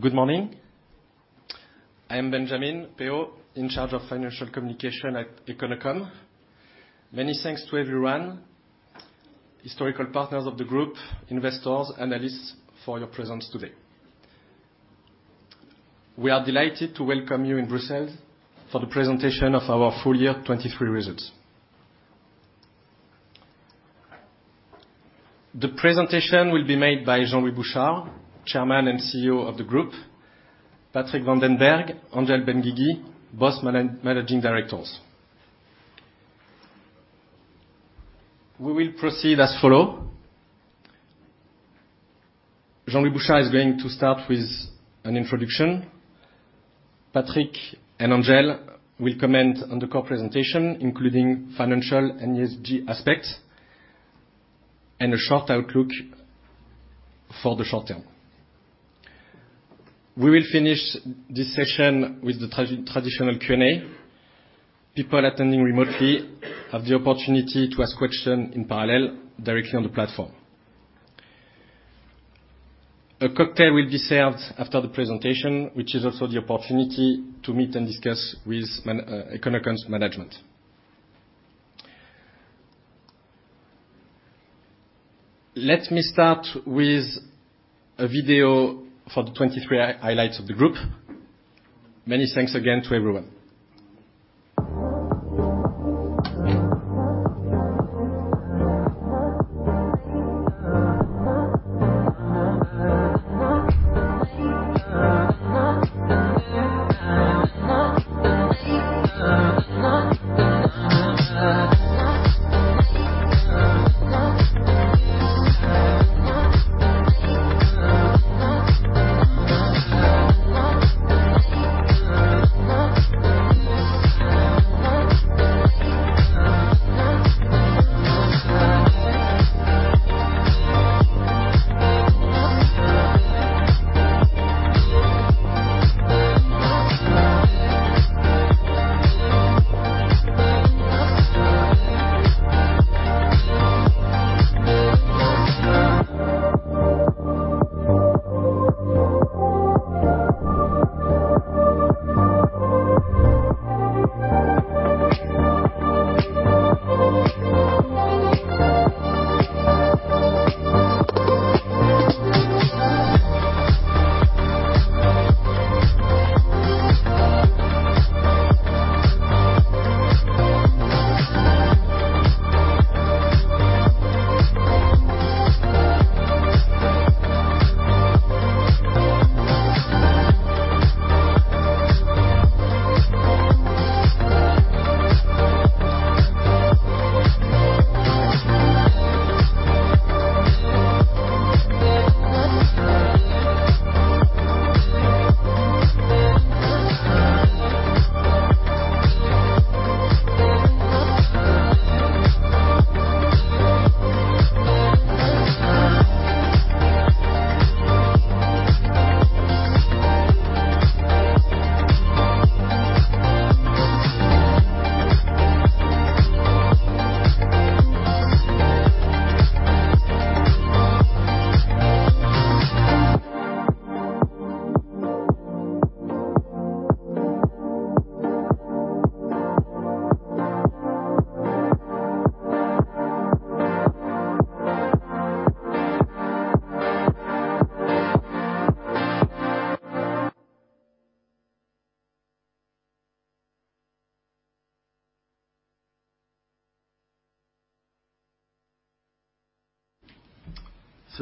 Good morning. I am Benjamin Péhau, in charge of financial communication at Econocom. Many thanks to everyone: historical partners of the group, investors, analysts for your presence today. We are delighted to welcome you in Brussels for the presentation of our full-year 2023 results. The presentation will be made by Jean-Louis Bouchard, Chairman and CEO of the group, Patrick van den Berg, Angel Benguigui, our Managing Directors. We will proceed as follows: Jean-Louis Bouchard is going to start with an introduction. Patrick and Angel will comment on the core presentation, including financial and ESG aspects, and a short outlook for the short term. We will finish this session with the traditional Q&A. People attending remotely have the opportunity to ask questions in parallel, directly on the platform. A cocktail will be served after the presentation, which is also the opportunity to meet and discuss with Econocom's management. Let me start with a video for the 2023 highlights of the group. Many thanks again to everyone.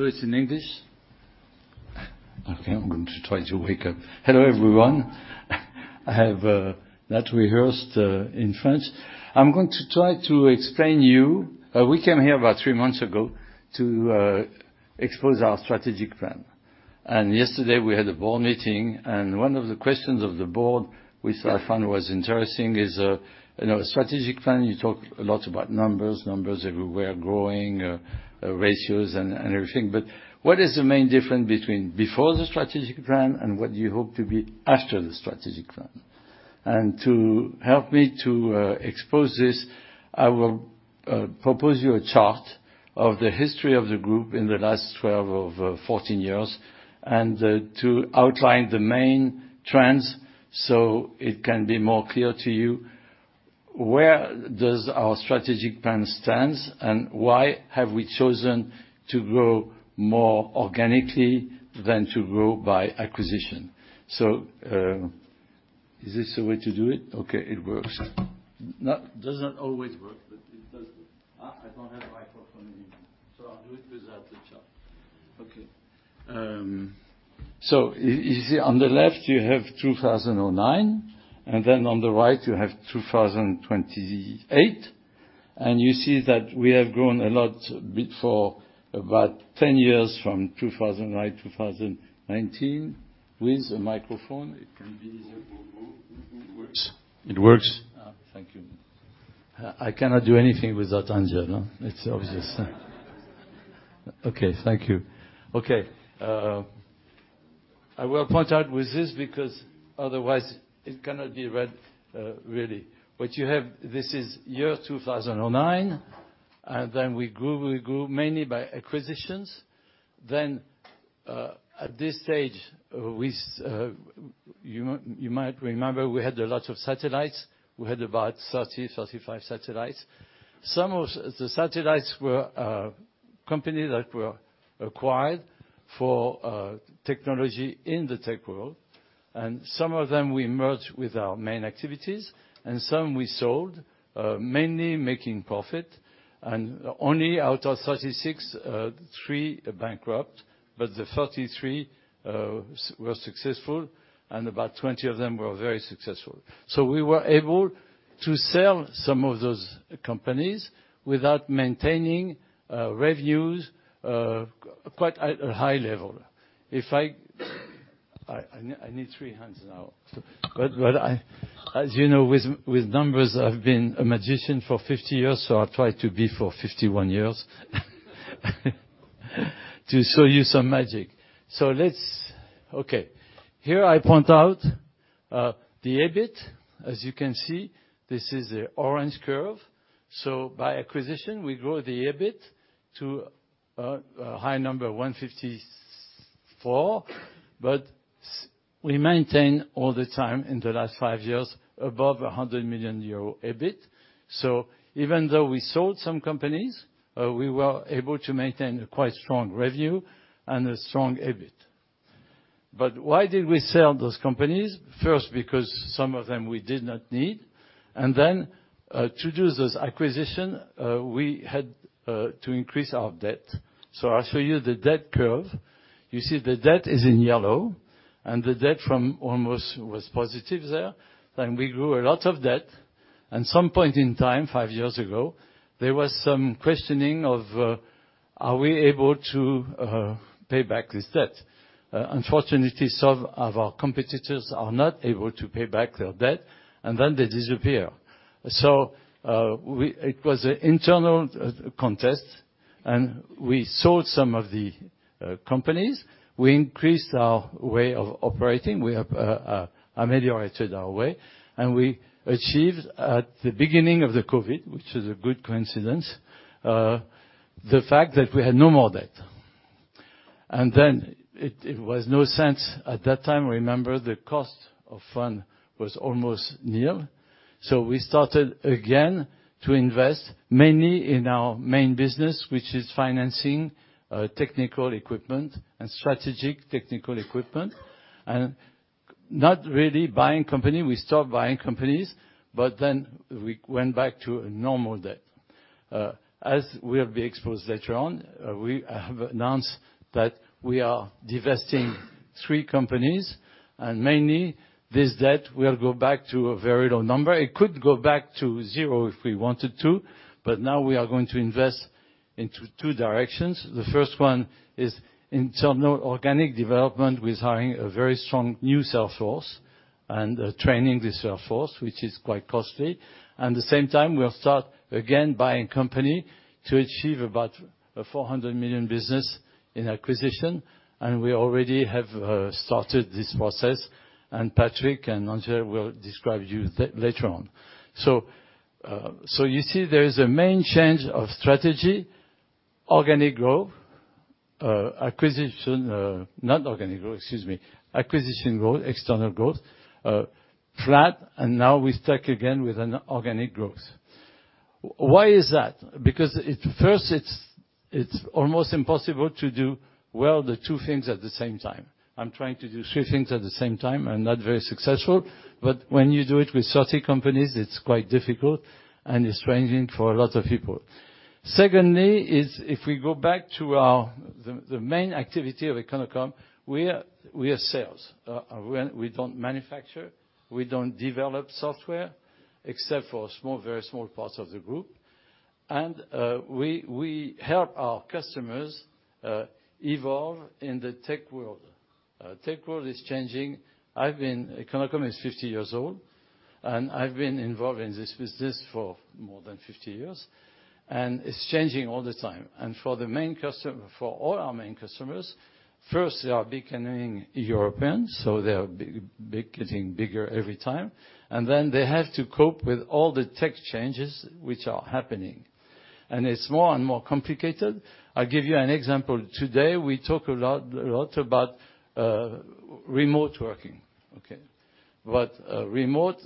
So it's in English. Okay, I'm going to try to wake up. Hello, everyone. I have not rehearsed in French. I'm going to try to explain to you we came here about three months ago to expose our strategic plan. And yesterday we had a board meeting, and one of the questions of the board which I found was interesting is, you know, a strategic plan, you talk a lot about numbers, numbers everywhere, growing, ratios, and everything. But what is the main difference between before the strategic plan and what do you hope to be after the strategic plan? To help me to expose this, I will propose you a chart of the history of the group in the last 12 or 14 years, and to outline the main trends so it can be more clear to you where does our strategic plan stand and why have we chosen to grow more organically than to grow by acquisition. Is this the way to do it? Okay, it works. Does not always work, but it does. I don't have a microphone anymore, so I'll do it without the chart. Okay. So you see, on the left you have 2009, and then on the right you have 2028. And you see that we have grown a lot before about 10 years from 2009 to 2019 with a microphone. It can be easier. It works. It works. Thank you. I cannot do anything without Angel, huh? It's obvious. Okay, thank you. Okay. I will point out with this because otherwise it cannot be read, really. What you have, this is year 2009, and then we grew, we grew mainly by acquisitions. Then at this stage, which you might remember, we had a lot of satellites. We had about 30-35 satellites. Some of the satellites were companies that were acquired for technology in the tech world, and some of them we merged with our main activities, and some we sold, mainly making profit. And only out of 36, three bankrupt, but the 33 were successful, and about 20 of them were very successful. So we were able to sell some of those companies without maintaining revenues quite at a high level. If I need three hands now. But as you know, with numbers I've been a magician for 50 years, so I'll try to be for 51 years to show you some magic. So let's okay. Here I point out the EBIT. As you can see, this is the orange curve. So by acquisition we grow the EBIT to a high number, 154 million, but we maintain all the time in the last five years above 100 million euro EBIT. So even though we sold some companies, we were able to maintain a quite strong revenue and a strong EBIT. But why did we sell those companies? First, because some of them we did not need, and then to do those acquisitions we had to increase our debt. So I'll show you the debt curve. You see the debt is in yellow, and the debt from almost was positive there. Then we grew a lot of debt, and at some point in time, five years ago, there was some questioning of are we able to pay back this debt. Unfortunately, some of our competitors are not able to pay back their debt, and then they disappear. So it was an internal contest, and we sold some of the companies. We increased our way of operating. We ameliorated our way, and we achieved at the beginning of the COVID, which is a good coincidence, the fact that we had no more debt. And then it was no sense at that time, remember, the cost of fund was almost nil. So we started again to invest, mainly in our main business, which is financing technical equipment and strategic technical equipment, and not really buying companies. We stopped buying companies, but then we went back to normal debt. As we'll be exposed later on, we have announced that we are divesting three companies, and mainly this debt will go back to a very low number. It could go back to zero if we wanted to, but now we are going to invest into two directions. The first one is internal organic development with hiring a very strong new salesforce and training this salesforce, which is quite costly. And at the same time, we'll start again buying companies to achieve about a 400 million business in acquisition, and we already have started this process, and Patrick and Angel will describe to you later on. So you see there is a main change of strategy: organic growth, acquisition not organic growth, excuse me, acquisition growth, external growth, flat, and now we're stuck again with an organic growth. Why is that? Because first, it's almost impossible to do well the two things at the same time. I'm trying to do 3 things at the same time. I'm not very successful, but when you do it with 30 companies, it's quite difficult and it's straining for a lot of people. Secondly, if we go back to our main activity of Econocom, we are sales. We don't manufacture. We don't develop software, except for very small parts of the group. And we help our customers evolve in the tech world. Tech world is changing. Econocom is 50 years old, and I've been involved in this business for more than 50 years, and it's changing all the time. And for all our main customers, first they are becoming European, so they are getting bigger every time, and then they have to cope with all the tech changes which are happening. It's more and more complicated. I'll give you an example. Today we talk a lot about remote working, okay? But remote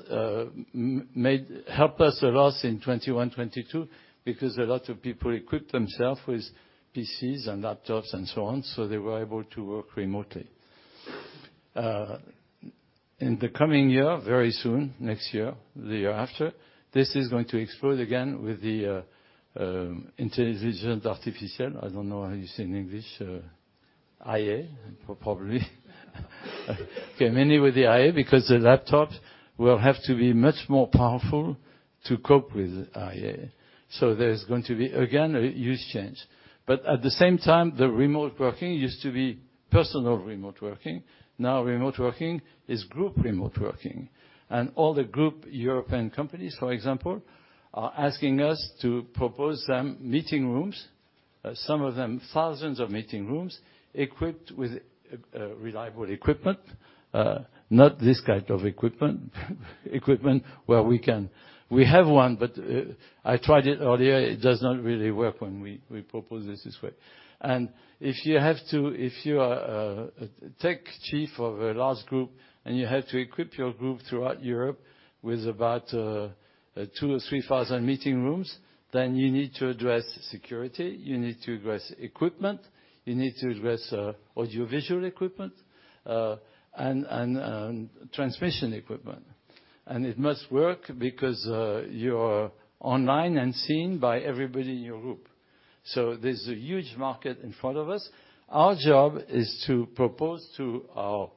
helped us a lot in 2021, 2022 because a lot of people equipped themselves with PCs and laptops and so on, so they were able to work remotely. In the coming year, very soon, next year, the year after, this is going to explode again with the artificial intelligence. I don't know how you say in English, IA, probably. Okay, mainly with the IA because the laptops will have to be much more powerful to cope with IA. So there's going to be, again, a huge change. But at the same time, the remote working used to be personal remote working. Now remote working is group remote working. And all the group European companies, for example, are asking us to propose some meeting rooms, some of them thousands of meeting rooms, equipped with reliable equipment, not this kind of equipment where we can have one, but I tried it earlier. It does not really work when we propose this way. And if you are a tech chief of a large group and you have to equip your group throughout Europe with about 2,000 or 3,000 meeting rooms, then you need to address security. You need to address equipment. You need to address audiovisual equipment and transmission equipment. And it must work because you're online and seen by everybody in your group. So there's a huge market in front of us. Our job is to propose to our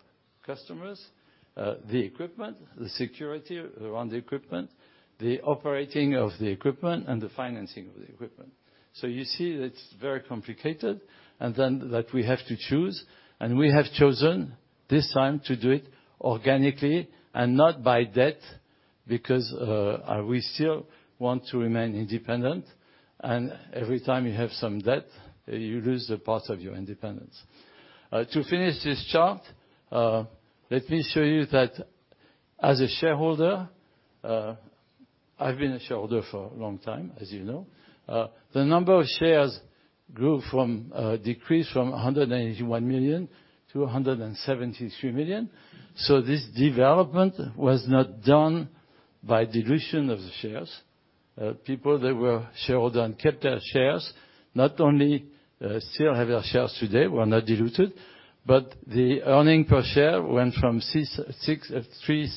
customers the equipment, the security around the equipment, the operating of the equipment, and the financing of the equipment. So you see that it's very complicated and then that we have to choose. And we have chosen this time to do it organically and not by debt because we still want to remain independent, and every time you have some debt, you lose a part of your independence. To finish this chart, let me show you that as a shareholder I've been a shareholder for a long time, as you know. The number of shares decreased from 181 million-173 million. So this development was not done by dilution of the shares. People that were shareholders kept their shares, not only still have their shares today, were not diluted, but the earnings per share went from 0.03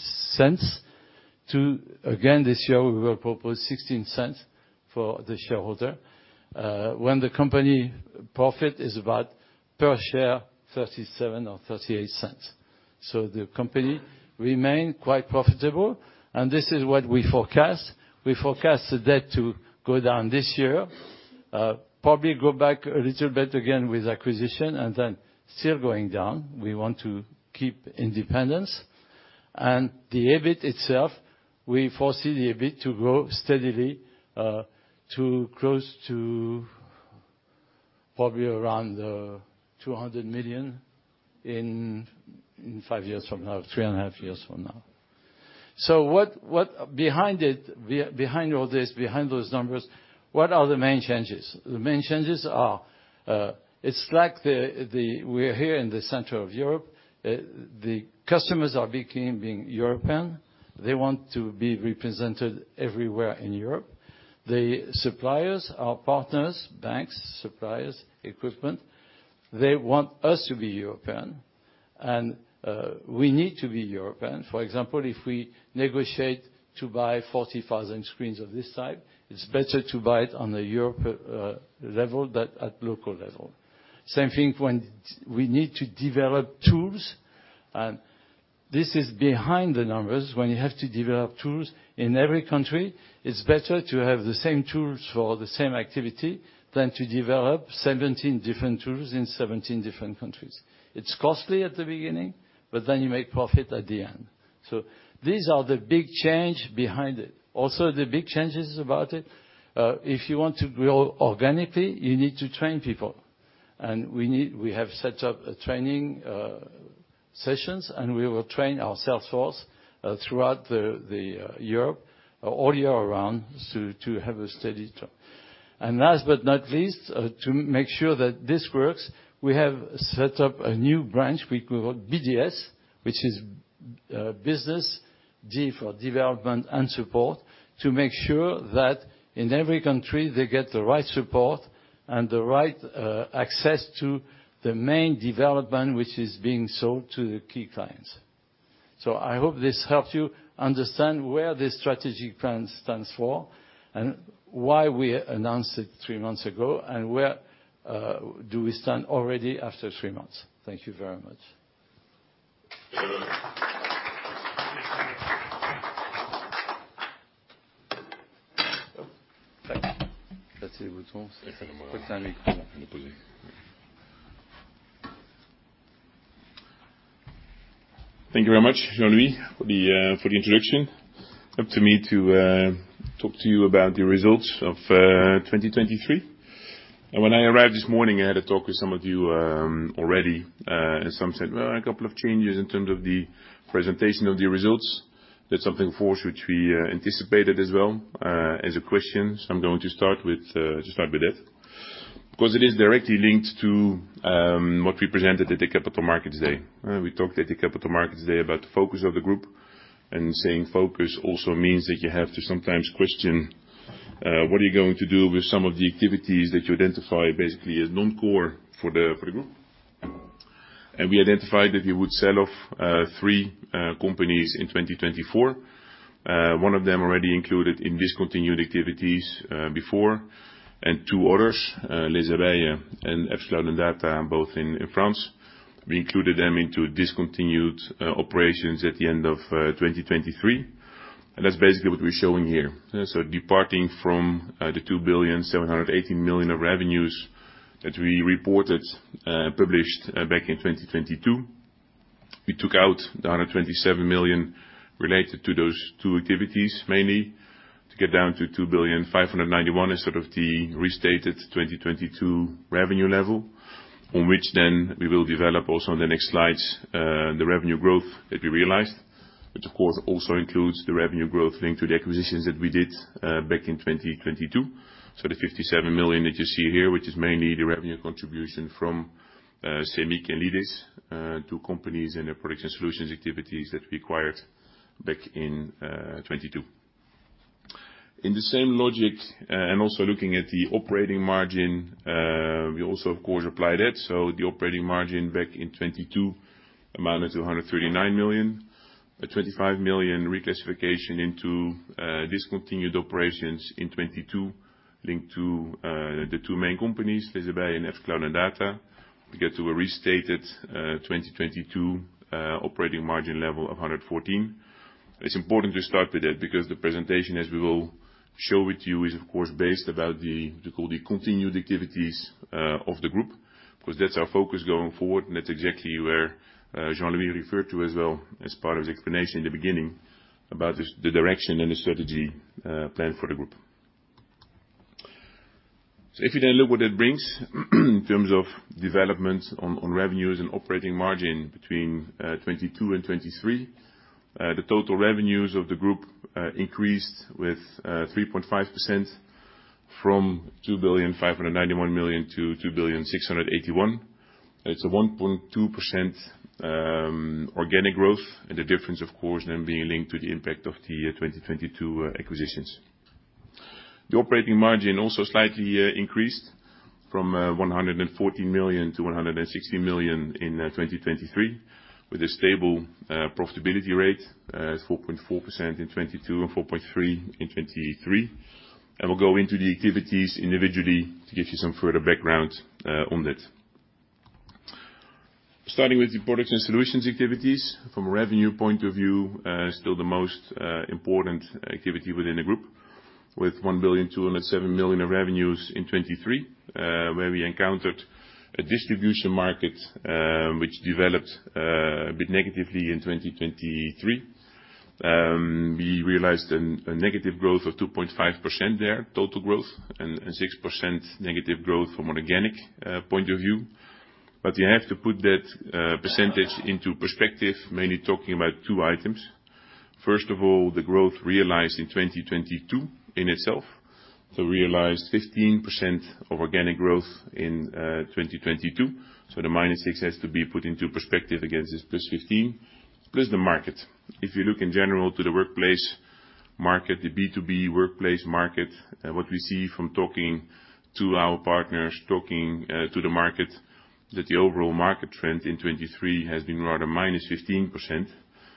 to—again, this year we will propose 0.16 for the shareholder, when the company profit is about, per share, 0.37 or 0.38. So the company remained quite profitable, and this is what we forecast. We forecast the debt to go down this year, probably go back a little bit again with acquisition, and then still going down. We want to keep independence. And the EBIT itself, we foresee the EBIT to grow steadily to close to probably around 200 million in five years from now, three and a half years from now. So what behind it, behind all this, behind those numbers, what are the main changes? The main changes are it's like the we're here in the center of Europe. The customers are becoming European. They want to be represented everywhere in Europe. The suppliers, our partners, banks, suppliers, equipment, they want us to be European, and we need to be European. For example, if we negotiate to buy 40,000 screens of this type, it's better to buy it on a Europe level than at local level. Same thing when we need to develop tools. And this is behind the numbers. When you have to develop tools in every country, it's better to have the same tools for the same activity than to develop 17 different tools in 17 different countries. It's costly at the beginning, but then you make profit at the end. So these are the big changes behind it. Also, the big changes about it, if you want to grow organically, you need to train people. We have set up training sessions, and we will train our sales force throughout Europe all year round to have a steady track. Last but not least, to make sure that this works, we have set up a new branch we call BDS, which is Business Development and Support, to make sure that in every country they get the right support and the right access to the main development which is being sold to the key clients. So I hope this helps you understand where this strategic plan stands for and why we announced it three months ago and where do we stand already after three months. Thank you very much. Thank you very much, Jean-Louis, for the introduction. Up to me to talk to you about the results of 2023. When I arrived this morning, I had a talk with some of you already, and some said, "Well, a couple of changes in terms of the presentation of the results." That's something, of course, which we anticipated as well as a question. I'm going to start with that because it is directly linked to what we presented at the Capital Markets Day. We talked at the Capital Markets Day about the focus of the group, and saying focus also means that you have to sometimes question what are you going to do with some of the activities that you identify basically as non-core for the group. We identified that we would sell off three companies in 2024. One of them already included in discontinued activities before, and two others, Les Abeilles and Absolut & Data, both in France. We included them into discontinued operations at the end of 2023. That's basically what we're showing here. Departing from the 2.718 billion of revenues that we reported and published back in 2022, we took out the 127 million related to those two activities mainly to get down to 2.591 billion, sort of the restated 2022 revenue level on which then we will develop also on the next slides the revenue growth that we realized, which, of course, also includes the revenue growth linked to the acquisitions that we did back in 2022. The 57 million that you see here, which is mainly the revenue contribution from Semic and Lydis to Products & Solutions activities that we acquired back in 2022. In the same logic and also looking at the operating margin, we also, of course, applied it. So the operating margin back in 2022 amounted to 139 million, a 25 million reclassification into discontinued operations in 2022 linked to the two main companies, Les Abeilles and Absolut & Data, to get to a restated 2022 operating margin level of 114 million. It's important to start with that because the presentation, as we will show it to you, is, of course, based about what we call the continued activities of the group because that's our focus going forward, and that's exactly where Jean-Louis referred to as well as part of his explanation in the beginning about the direction and the strategy plan for the group. So if you then look what that brings in terms of development on revenues and operating margin between 2022 and 2023, the total revenues of the group increased with 3.5% from 2,591 million to 2,681 million. It's a 1.2% organic growth and the difference, of course, then being linked to the impact of the 2022 acquisitions. The operating margin also slightly increased from 114 million to 160 million in 2023 with a stable profitability rate at 4.4% in 2022 and 4.3% in 2023. And we'll go into the activities individually to give you some further background on that. Starting with the Products & Solutions activities from a revenue point of view, still the most important activity within the group with 1,207 million of revenues in 2023 where we encountered a distribution market which developed a bit negatively in 2023. We realized a negative growth of 2.5% there, total growth, and -6% growth from an organic point of view. But you have to put that percentage into perspective, mainly talking about two items. First of all, the growth realized in 2022 in itself. So realized 15% of organic growth in 2022. So the -6 has to be put into perspective against this +15 plus the market. If you look in general to the workplace market, the B2B workplace market, what we see from talking to our partners, talking to the market, that the overall market trend in 2023 has been rather -15%.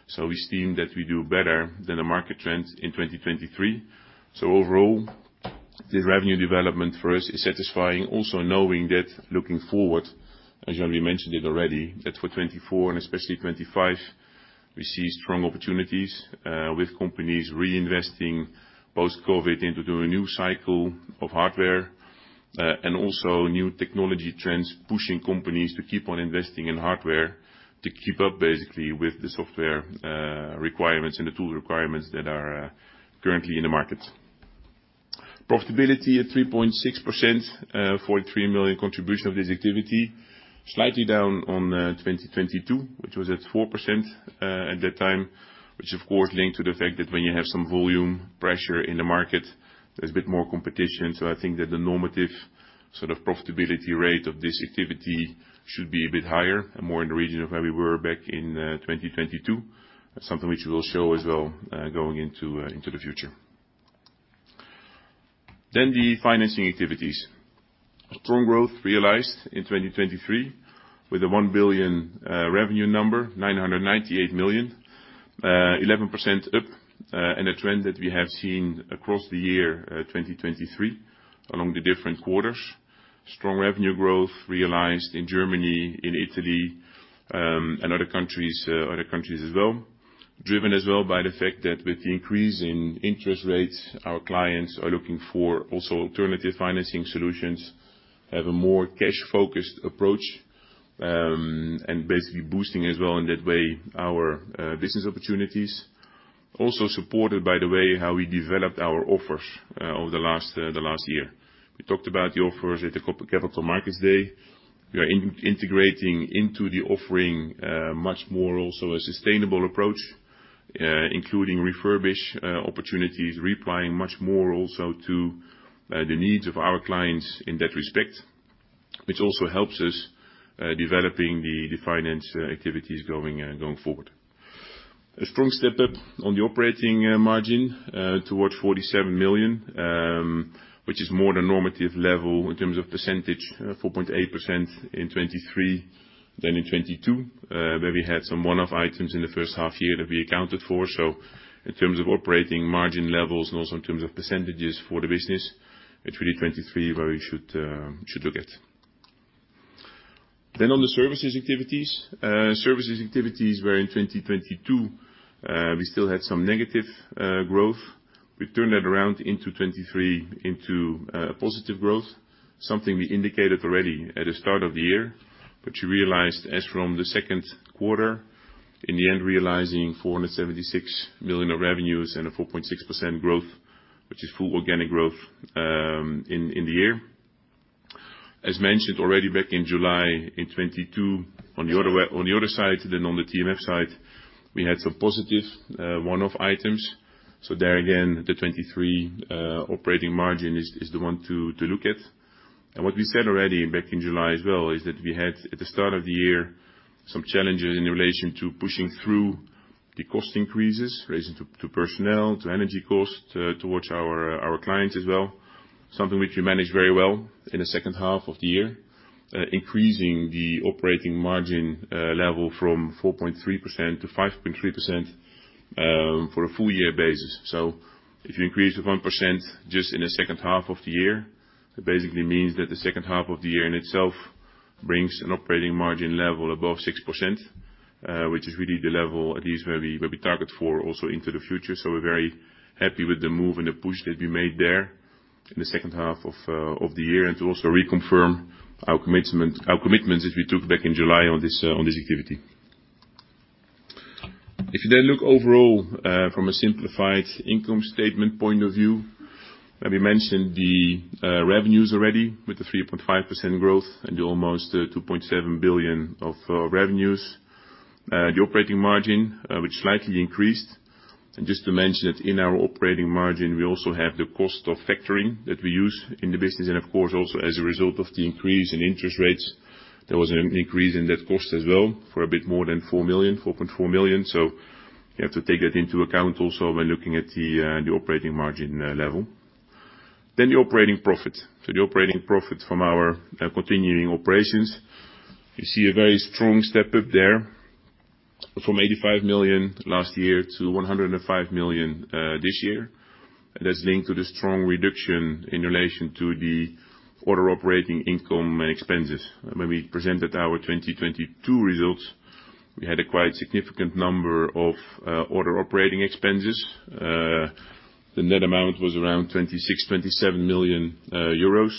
So we seem that we do better than the market trend in 2023. So overall, this revenue development for us is satisfying, also knowing that looking forward, as Jean-Louis mentioned it already, that for 2024 and especially 2025, we see strong opportunities with companies reinvesting post-COVID into a new cycle of hardware and also new technology trends pushing companies to keep on investing in hardware to keep up basically with the software requirements and the tool requirements that are currently in the market. Profitability at 3.6%, 43 million contribution of this activity, slightly down on 2022, which was at 4% at that time, which, of course, linked to the fact that when you have some volume pressure in the market, there's a bit more competition. I think that the normative sort of profitability rate of this activity should be a bit higher and more in the region of where we were back in 2022, something which we will show as well going into the future. Then the financing activities. Strong growth realized in 2023 with a 1 billion revenue number, 998 million, 11% up and a trend that we have seen across the year 2023 along the different quarters. Strong revenue growth realized in Germany, in Italy, and other countries as well, driven as well by the fact that with the increase in interest rates, our clients are looking for also alternative financing solutions, have a more cash-focused approach, and basically boosting as well in that way our business opportunities, also supported by the way how we developed our offers over the last year. We talked about the offers at the Capital Markets Day. We are integrating into the offering much more also a sustainable approach, including refurbish opportunities, replying much more also to the needs of our clients in that respect, which also helps us developing the finance activities going forward. A strong step up on the operating margin towards 47 million, which is more than normative level in terms of percentage, 4.8% in 2023 than in 2022 where we had some one-off items in the first half year that we accounted for. So in terms of operating margin levels and also in terms of percentages for the business, it's really 2023 where we should look at. Then on the services activities. Services activities where in 2022, we still had some negative growth. We turned that around into 2023 into a positive growth, something we indicated already at the start of the year, but you realized as from the second quarter, in the end realizing 476 million of revenues and a 4.6% growth, which is full organic growth in the year. As mentioned already back in July 2022, on the other side than on the TMF side, we had some positive one-off items. So there again, the 2023 operating margin is the one to look at. What we said already back in July as well is that we had at the start of the year some challenges in relation to pushing through the cost increases relating to personnel, to energy cost towards our clients as well, something which we managed very well in the second half of the year, increasing the operating margin level from 4.3%-5.3% for a full-year basis. If you increase it 1% just in the second half of the year, it basically means that the second half of the year in itself brings an operating margin level above 6%, which is really the level at least where we target for also into the future. So we're very happy with the move and the push that we made there in the second half of the year and to also reconfirm our commitments that we took back in July on this activity. If you then look overall from a simplified income statement point of view, and we mentioned the revenues already with the 3.5% growth and the almost 2.7 billion of revenues, the operating margin, which slightly increased. Just to mention that in our operating margin, we also have the cost of factoring that we use in the business and, of course, also as a result of the increase in interest rates, there was an increase in that cost as well for a bit more than 4 million, 4.4 million. So you have to take that into account also when looking at the operating margin level. Then the operating profit. So the operating profit from our continuing operations, you see a very strong step up there from 85 million last year to 105 million this year. And that's linked to the strong reduction in relation to the other operating income and expenses. When we presented our 2022 results, we had a quite significant number of other operating expenses. The net amount was around 26 million-27 million euros,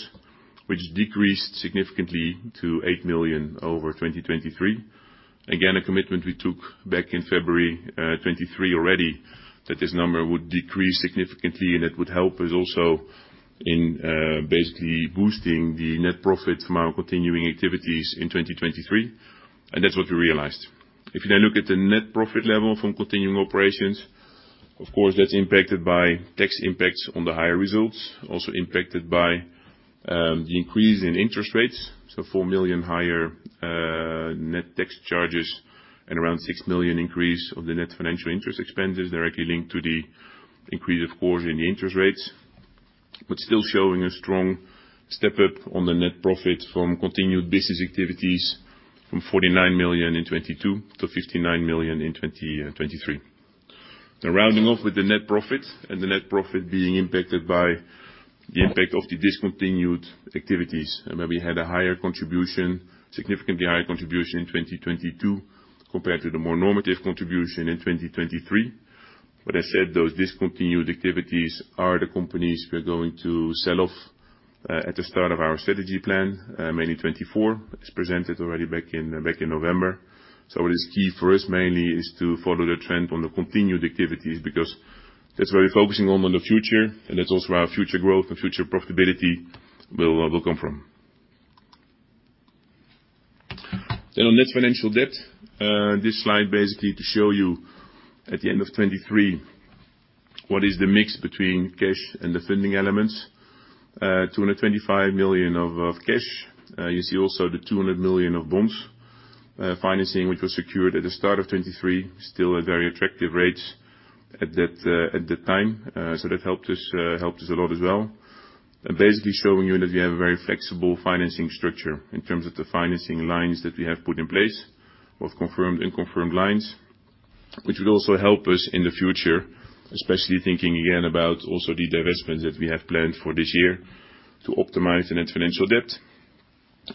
which decreased significantly to 8 million over 2023. Again, a commitment we took back in February 2023 already that this number would decrease significantly and it would help us also in basically boosting the net profit from our continuing activities in 2023. And that's what we realized. If you then look at the net profit level from continuing operations, of course, that's impacted by tax impacts on the higher results, also impacted by the increase in interest rates, so 4 million higher net tax charges and around 6 million increase of the net financial interest expenses directly linked to the increase, of course, in the interest rates, but still showing a strong step up on the net profit from continued business activities from 49 million in 2022 to 59 million in 2023. Now, rounding off with the net profit and the net profit being impacted by the impact of the discontinued activities, and where we had a higher contribution, significantly higher contribution in 2022 compared to the more normative contribution in 2023. But as said, those discontinued activities are the companies we're going to sell off at the start of our strategy plan, mainly 2024, as presented already back in November. So what is key for us mainly is to follow the trend on the continued activities because that's where we're focusing on the future, and that's also our future growth and future profitability will come from. Then on net financial debt, this slide basically to show you at the end of 2023 what is the mix between cash and the funding elements. 225 million of cash. You see also the 200 million of bonds financing, which was secured at the start of 2023, still at very attractive rates at that time. So that helped us a lot as well. Basically showing you that we have a very flexible financing structure in terms of the financing lines that we have put in place, both confirmed and confirmed lines, which would also help us in the future, especially thinking again about also the investments that we have planned for this year to optimize the net financial debt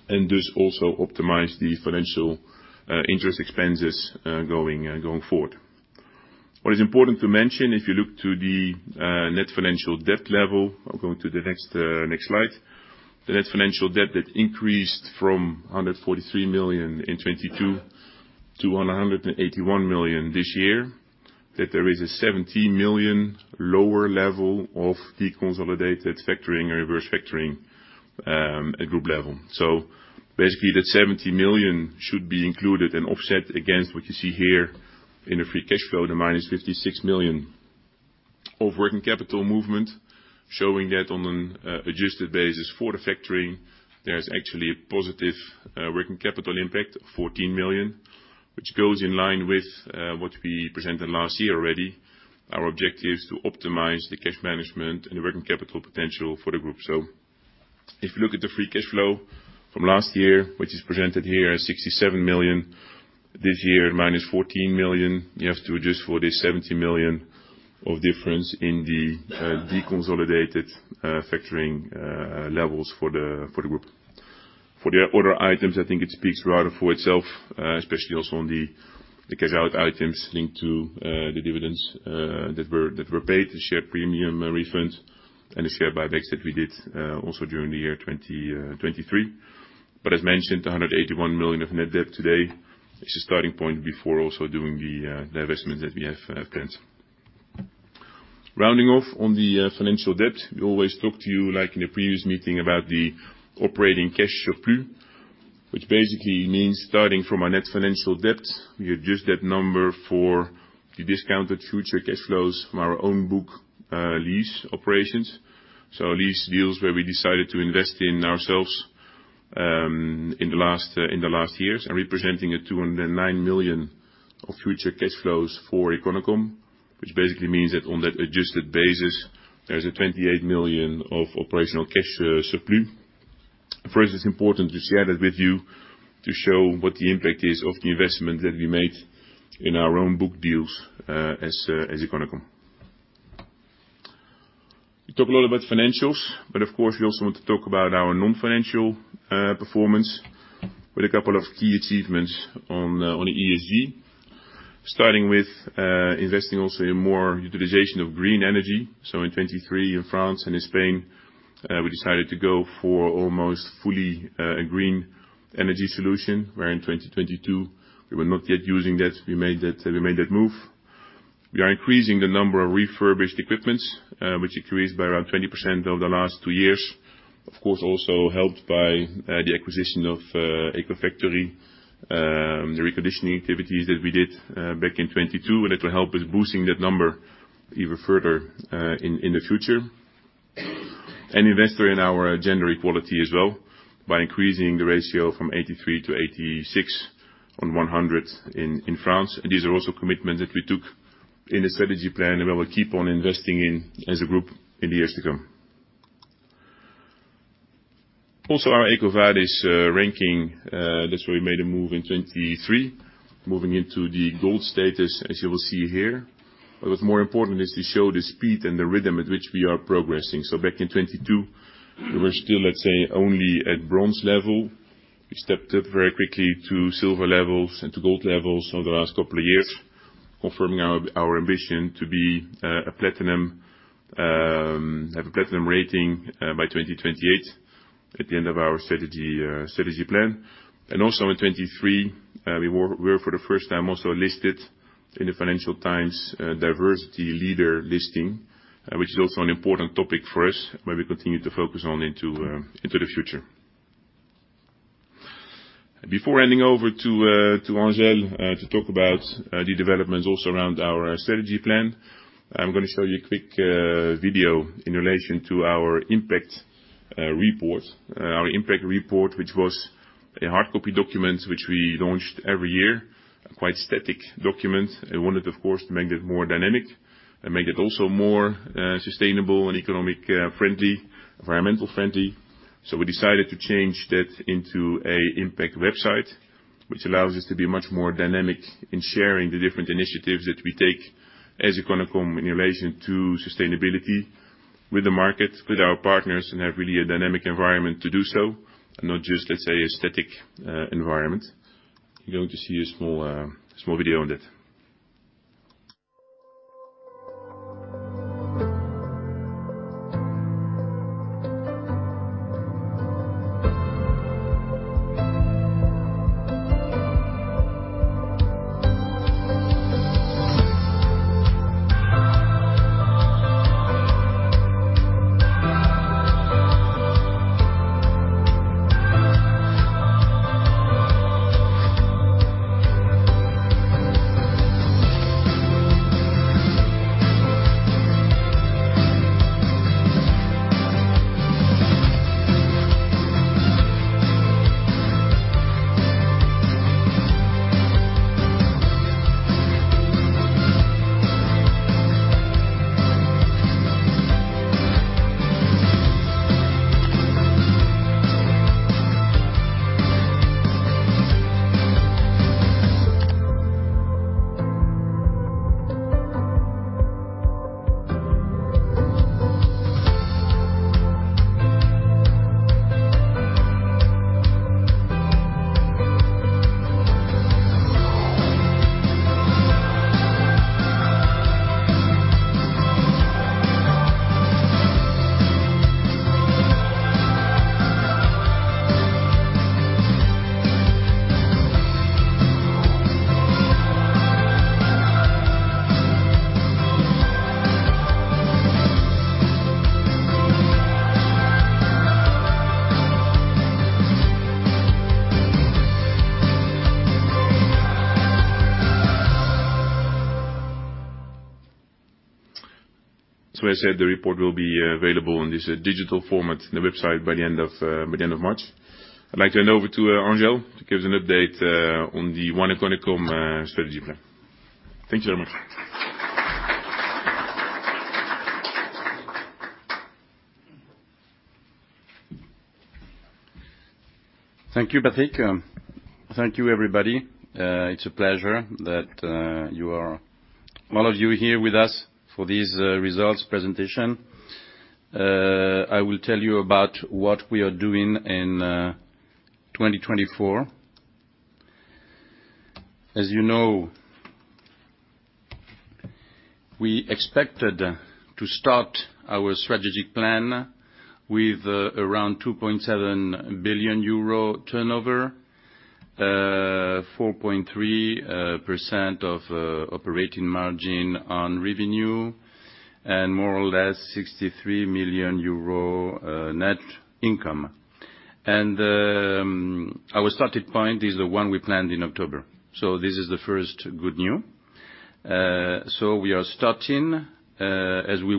and thus also optimize the financial interest expenses going forward. What is important to mention, if you look to the net financial debt level, I'll go to the next slide, the net financial debt that increased from 143 million in 2022 to 181 million this year, that there is a 70 million lower level of deconsolidated factoring and reverse factoring at group level. So basically, that 70 million should be included and offset against what you see here in the free cash flow, the -56 million of working capital movement, showing that on an adjusted basis for the factoring, there's actually a positive working capital impact, 14 million, which goes in line with what we presented last year already, our objectives to optimize the cash management and the working capital potential for the group. So if you look at the free cash flow from last year, which is presented here as 67 million, this year -14 million, you have to adjust for this 70 million of difference in the deconsolidated factoring levels for the group. For the other items, I think it speaks rather for itself, especially also on the cash-out items linked to the dividends that were paid, the share premium refund, and the share buybacks that we did also during the year 2023. But as mentioned, 181 million of net debt today is the starting point before also doing the investments that we have planned. Rounding off on the financial debt, we always talk to you like in the previous meeting about the operating cash surplus, which basically means starting from our net financial debt, we adjust that number for the discounted future cash flows from our own book lease operations. So lease deals where we decided to invest in ourselves in the last years and representing a 209 million of future cash flows for Econocom, which basically means that on that adjusted basis, there's a 28 million of operational cash surplus. First, it's important to share that with you to show what the impact is of the investment that we made in our own book deals as Econocom. We talk a lot about financials, but of course, we also want to talk about our non-financial performance with a couple of key achievements on the ESG, starting with investing also in more utilization of green energy. So in 2023 in France and in Spain, we decided to go for almost fully a green energy solution, where in 2022, we were not yet using that. We made that move. We are increasing the number of refurbished equipment, which increased by around 20% over the last two years, of course, also helped by the acquisition of EcoFactory, the reconditioning activities that we did back in 2022, and that will help us boosting that number even further in the future, and investing in our gender equality as well by increasing the ratio from 83-86 on 100 in France. These are also commitments that we took in the strategy plan and that we'll keep on investing in as a group in the years to come. Our EcoVadis ranking, that's where we made a move in 2023, moving into the gold status, as you will see here. But what's more important is to show the speed and the rhythm at which we are progressing. So back in 2022, we were still, let's say, only at bronze level. We stepped up very quickly to silver levels and to gold levels over the last couple of years, confirming our ambition to have a platinum rating by 2028 at the end of our strategy plan. Also in 2023, we were for the first time also listed in the Financial Times Diversity Leader listing, which is also an important topic for us where we continue to focus on into the future. Before handing over to Angel to talk about the developments also around our strategy plan, I'm going to show you a quick video in relation to our impact report, our impact report, which was a hardcopy document which we launched every year, a quite static document. I wanted, of course, to make that more dynamic and make that also more sustainable and economically friendly, environmentally friendly. So we decided to change that into an impact website, which allows us to be much more dynamic in sharing the different initiatives that we take as Econocom in relation to sustainability with the market, with our partners, and have really a dynamic environment to do so and not just, let's say, a static environment. You're going to see a small video on that. So as said, the report will be available in this digital format on the website by the end of March. I'd like to hand over to Angel to give us an update on the One Econocom strategy plan. Thank you very much. Thank you, Patrick. Thank you, everybody. It's a pleasure that all of you are here with us for this results presentation. I will tell you about what we are doing in 2024. As you know, we expected to start our strategic plan with around EUR 2.7 billion turnover, 4.3% of operating margin on revenue, and more or less 63 million euro net income. Our starting point is the one we planned in October. This is the first good news. We are starting where we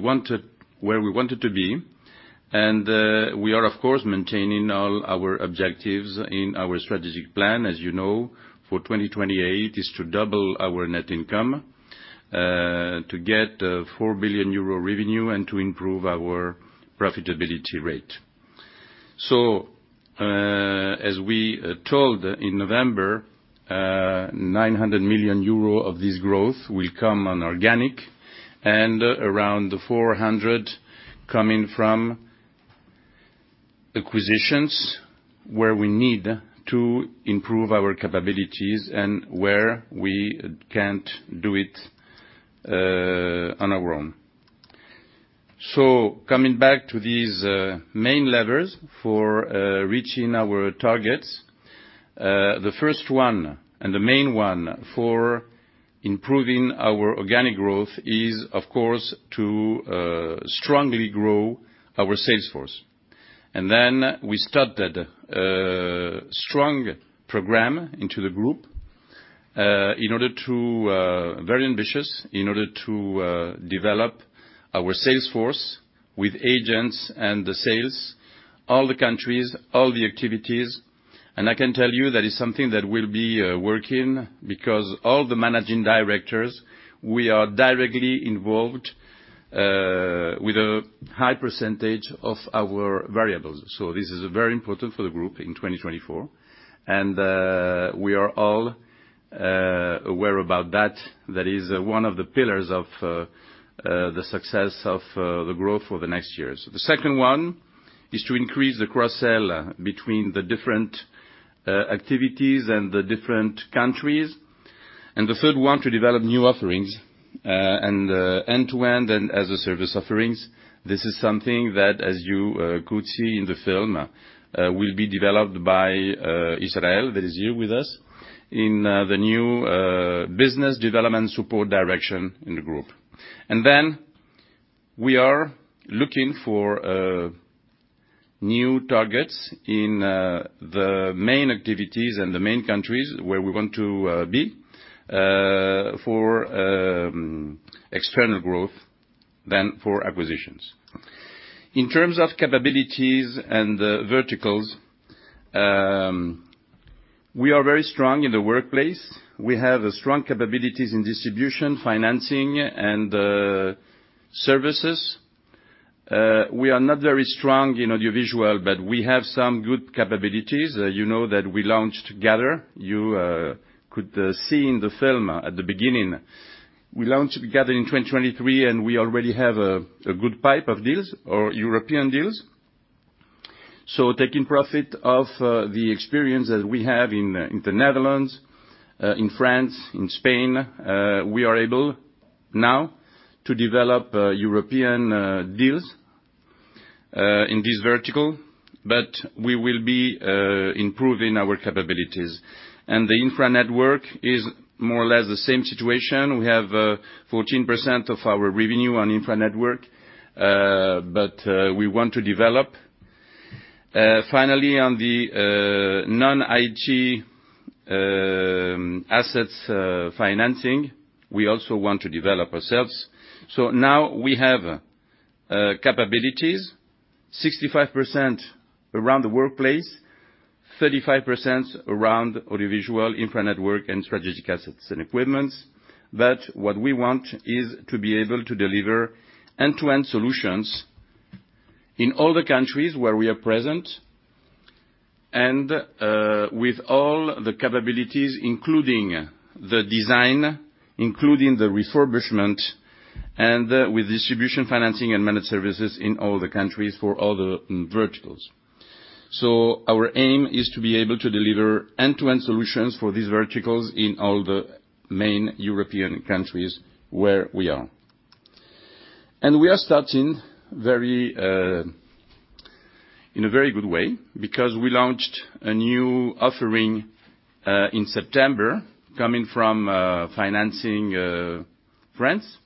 wanted to be. We are, of course, maintaining all our objectives in our strategic plan. As you know, for 2028, it is to double our net income, to get 4 billion euro revenue, and to improve our profitability rate. As we told in November, 900 million euro of this growth will come on organic and around the 400 million coming from acquisitions where we need to improve our capabilities and where we can't do it on our own. So coming back to these main levers for reaching our targets, the first one and the main one for improving our organic growth is, of course, to strongly grow our salesforce. And then we started a strong program into the group in order to very ambitious in order to develop our salesforce with agents and the sales, all the countries, all the activities. And I can tell you that is something that will be working because all the managing directors, we are directly involved with a high percentage of our variables. So this is very important for the group in 2024. And we are all aware about that. That is one of the pillars of the success of the growth for the next years. The second one is to increase the cross-sell between the different activities and the different countries. And the third one, to develop new offerings and end-to-end and as-a-service offerings. This is something that, as you could see in the film, will be developed by Israel, that is here with us, in the new business development support direction in the group. And then we are looking for new targets in the main activities and the main countries where we want to be for external growth than for acquisitions. In terms of capabilities and verticals, we are very strong in the workplace. We have strong capabilities in distribution, financing, and services. We are not very strong in audiovisual, but we have some good capabilities. You know that we launched Gather. You could see in the film at the beginning. We launched Gather in 2023, and we already have a good pipe of deals or European deals. So taking profit of the experience that we have in the Netherlands, in France, in Spain, we are able now to develop European deals in this vertical, but we will be improving our capabilities. The infra network is more or less the same situation. We have 14% of our revenue on infra network, but we want to develop. Finally, on the non-IT assets financing, we also want to develop ourselves. So now we have capabilities, 65% around the workplace, 35% around audiovisual, infra network, and strategic assets and equipments. But what we want is to be able to deliver end-to-end solutions in all the countries where we are present and with all the capabilities, including the design, including the refurbishment, and with distribution financing and managed services in all the countries for all the verticals. So our aim is to be able to deliver end-to-end solutions for these verticals in all the main European countries where we are. And we are starting in a very good way because we launched a new offering in September coming from Financing France.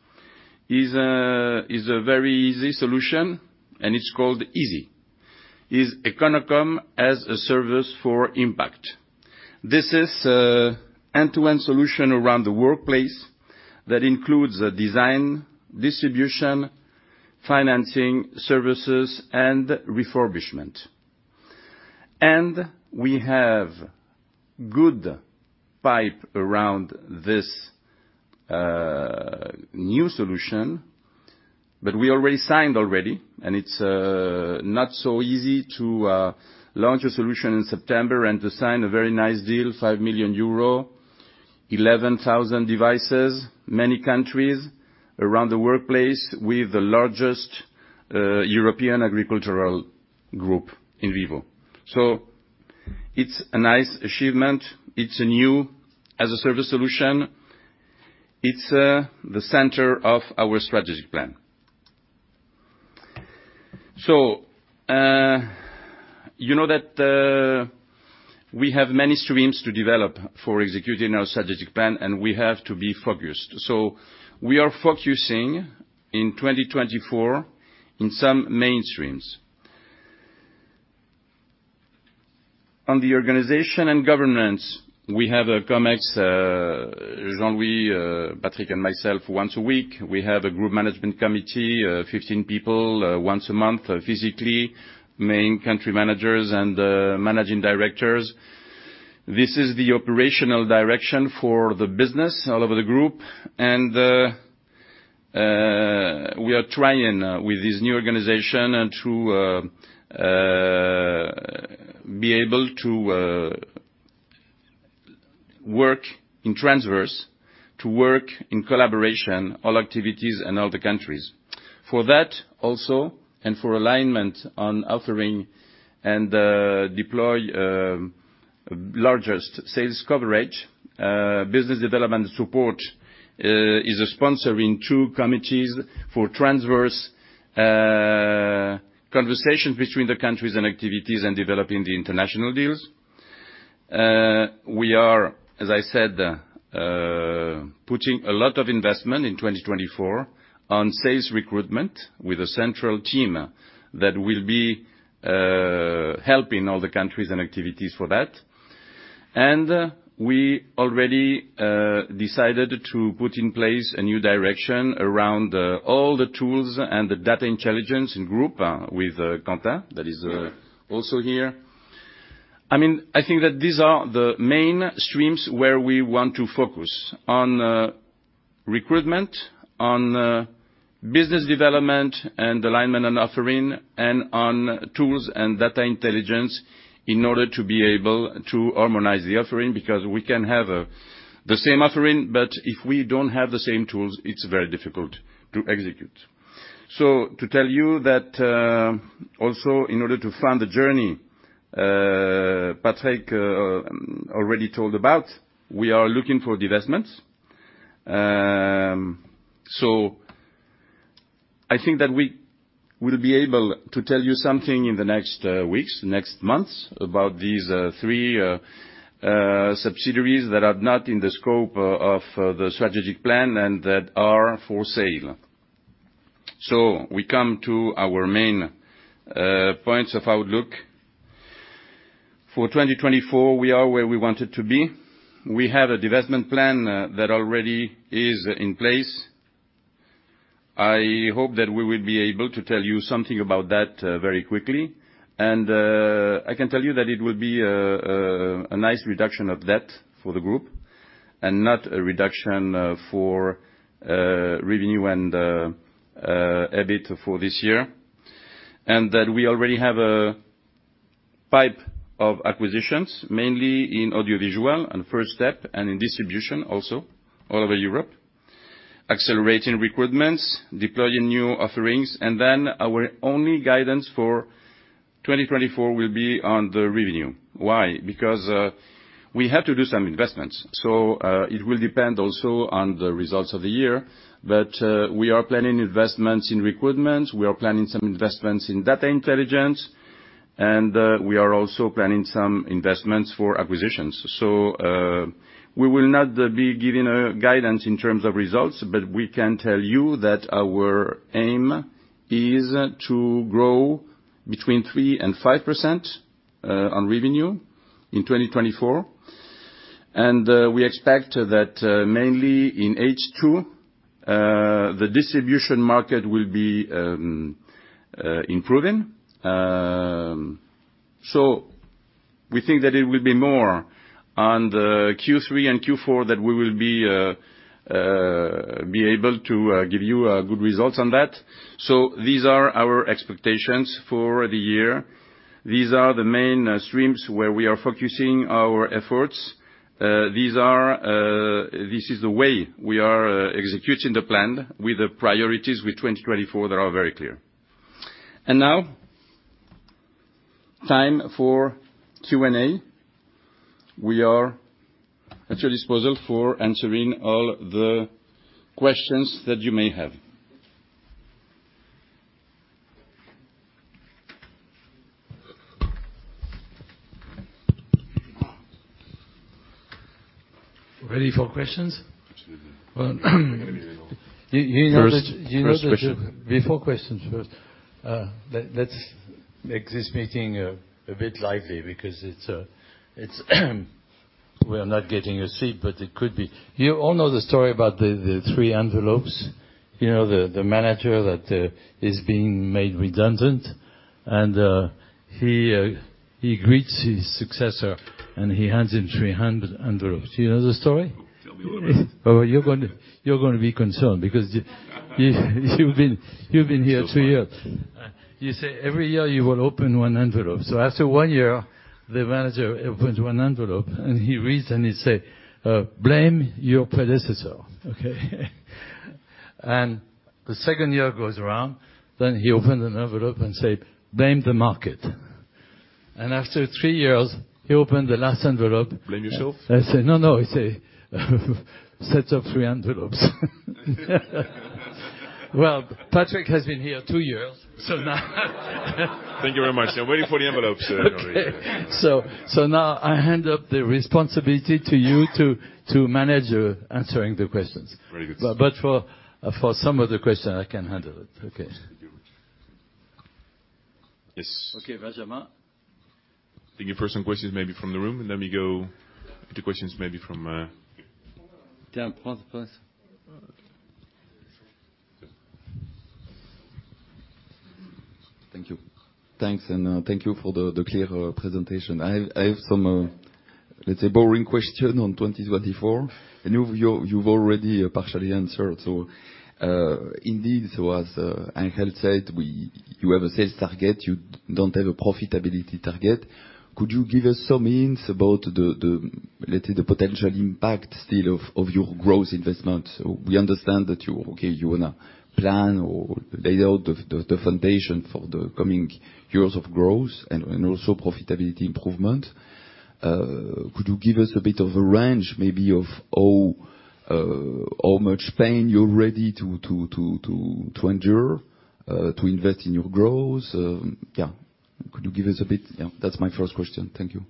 It's a very easy solution, and it's called EASI. It's Econocom as a service for impact. This is an end-to-end solution around the workplace that includes design, distribution, financing, services, and refurbishment. And we have a good pipe around this new solution, but we already signed already. And it's not so easy to launch a solution in September and to sign a very nice deal, 5 million euro, 11,000 devices, many countries around the workplace with the largest European agricultural group InVivo. So it's a nice achievement. It's a new as-a-service solution. It's the center of our strategic plan. So you know that we have many streams to develop for executing our strategic plan, and we have to be focused. So we are focusing in 2024 in some main streams. On the organization and governance, we have a COMEX, Jean-Louis, Patrick, and myself, once a week. We have a group management committee, 15 people, once a month physically, main country managers and managing directors. This is the operational direction for the business all over the group. And we are trying with this new organization to be able to work in transverse, to work in collaboration, all activities and all the countries. For that also and for alignment on offering and deploy largest sales coverage, business development support is a sponsor in two committees for transverse conversations between the countries and activities and developing the international deals. We are, as I said, putting a lot of investment in 2024 on sales recruitment with a central team that will be helping all the countries and activities for that. We already decided to put in place a new direction around all the tools and the data intelligence in group with Quentin, that is also here. I mean, I think that these are the main streams where we want to focus: on recruitment, on business development and alignment on offering, and on tools and data intelligence in order to be able to harmonize the offering because we can have the same offering, but if we don't have the same tools, it's very difficult to execute. So to tell you that also, in order to fund the journey Patrick already told about, we are looking for investments. So I think that we will be able to tell you something in the next weeks, next months about these 3 subsidiaries that are not in the scope of the strategic plan and that are for sale. We come to our main points of outlook. For 2024, we are where we wanted to be. We have a development plan that already is in place. I hope that we will be able to tell you something about that very quickly. I can tell you that it will be a nice reduction of debt for the group and not a reduction for revenue and EBIT for this year. That we already have a pipe of acquisitions, mainly in audiovisual, on the first step, and in distribution also all over Europe, accelerating recruitments, deploying new offerings. Then our only guidance for 2024 will be on the revenue. Why? Because we have to do some investments. So it will depend also on the results of the year. But we are planning investments in recruitments. We are planning some investments in data intelligence. And we are also planning some investments for acquisitions. So we will not be giving guidance in terms of results, but we can tell you that our aim is to grow between 3%-5% on revenue in 2024. And we expect that mainly in H2, the distribution market will be improving. So we think that it will be more on Q3 and Q4 that we will be able to give you good results on that. So these are our expectations for the year. These are the main streams where we are focusing our efforts. This is the way we are executing the plan with the priorities with 2024 that are very clear. And now time for Q&A. We are at your disposal for answering all the questions that you may have. Ready for questions? Absolutely. Well, you know that before questions, first, let's make this meeting a bit lively because we are not getting a seat, but it could be. You all know the story about the three envelopes. You know the manager that is being made redundant, and he greets his successor, and he hands him three envelopes. You know the story? Tell me all the rest. You're going to be concerned because you've been here two years. You say every year you will open one envelope. So after one year, the manager opens one envelope, and he reads, and he says, "Blame your predecessor." Okay? And the second year goes around. Then he opens an envelope and says, "Blame the market." And after three years, he opens the last envelope. Blame yourself? I say, "No, no." He says, "Set up three envelopes." Well, Patrick has been here two years, so now. Thank you very much. I'm waiting for the envelopes. Okay. So now I hand up the responsibility to you to manage answering the questions. Very good. But for some of the questions, I can handle it. Okay? Yes. Okay, Benjamin. Thank you for some questions maybe from the room. And then we go into questions maybe from. Thank you. Thanks. And thank you for the clear presentation. I have some, let's say, boring question on 2024, and you've already partially answered. So indeed, so as Angel said, you have a sales target. You don't have a profitability target. Could you give us some hints about, let's say, the potential impact still of your growth investments? We understand that, okay, you want to plan or lay out the foundation for the coming years of growth and also profitability improvement. Could you give us a bit of a range maybe of how much pain you're ready to endure to invest in your growth? Yeah. Could you give us a bit? Yeah. That's my first question. Thank you.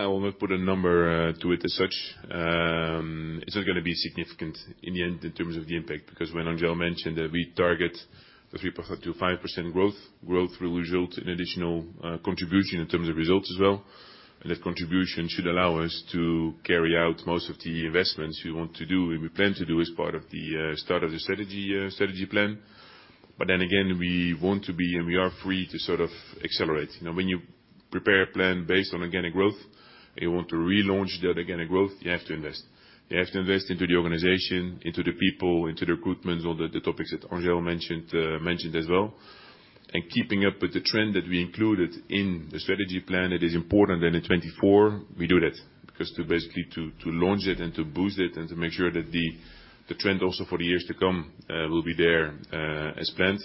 I won't put a number to it as such. It's not going to be significant in the end in terms of the impact because when Angel mentioned that we target the 3%-5% growth, growth will result in additional contribution in terms of results as well. That contribution should allow us to carry out most of the investments we want to do and we plan to do as part of the start of the strategy plan. But then again, we want to be and we are free to sort of accelerate. Now, when you prepare a plan based on organic growth and you want to relaunch that organic growth, you have to invest. You have to invest into the organization, into the people, into the recruitments, all the topics that Angel mentioned as well. And keeping up with the trend that we included in the strategy plan, it is important that in 2024 we do that because basically to launch it and to boost it and to make sure that the trend also for the years to come will be there as planned.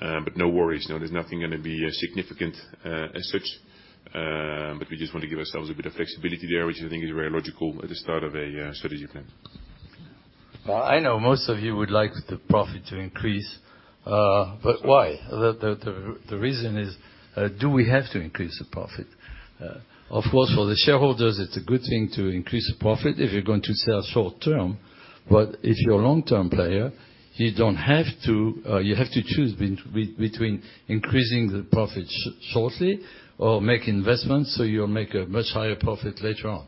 But no worries. No, there's nothing going to be significant as such. But we just want to give ourselves a bit of flexibility there, which I think is very logical at the start of a strategy plan. Well, I know most of you would like the profit to increase. But why? The reason is, do we have to increase the profit? Of course, for the shareholders, it's a good thing to increase the profit if you're going to sell short term. But if you're a long-term player, you have to choose between increasing the profit shortly or making investments so you'll make a much higher profit later on.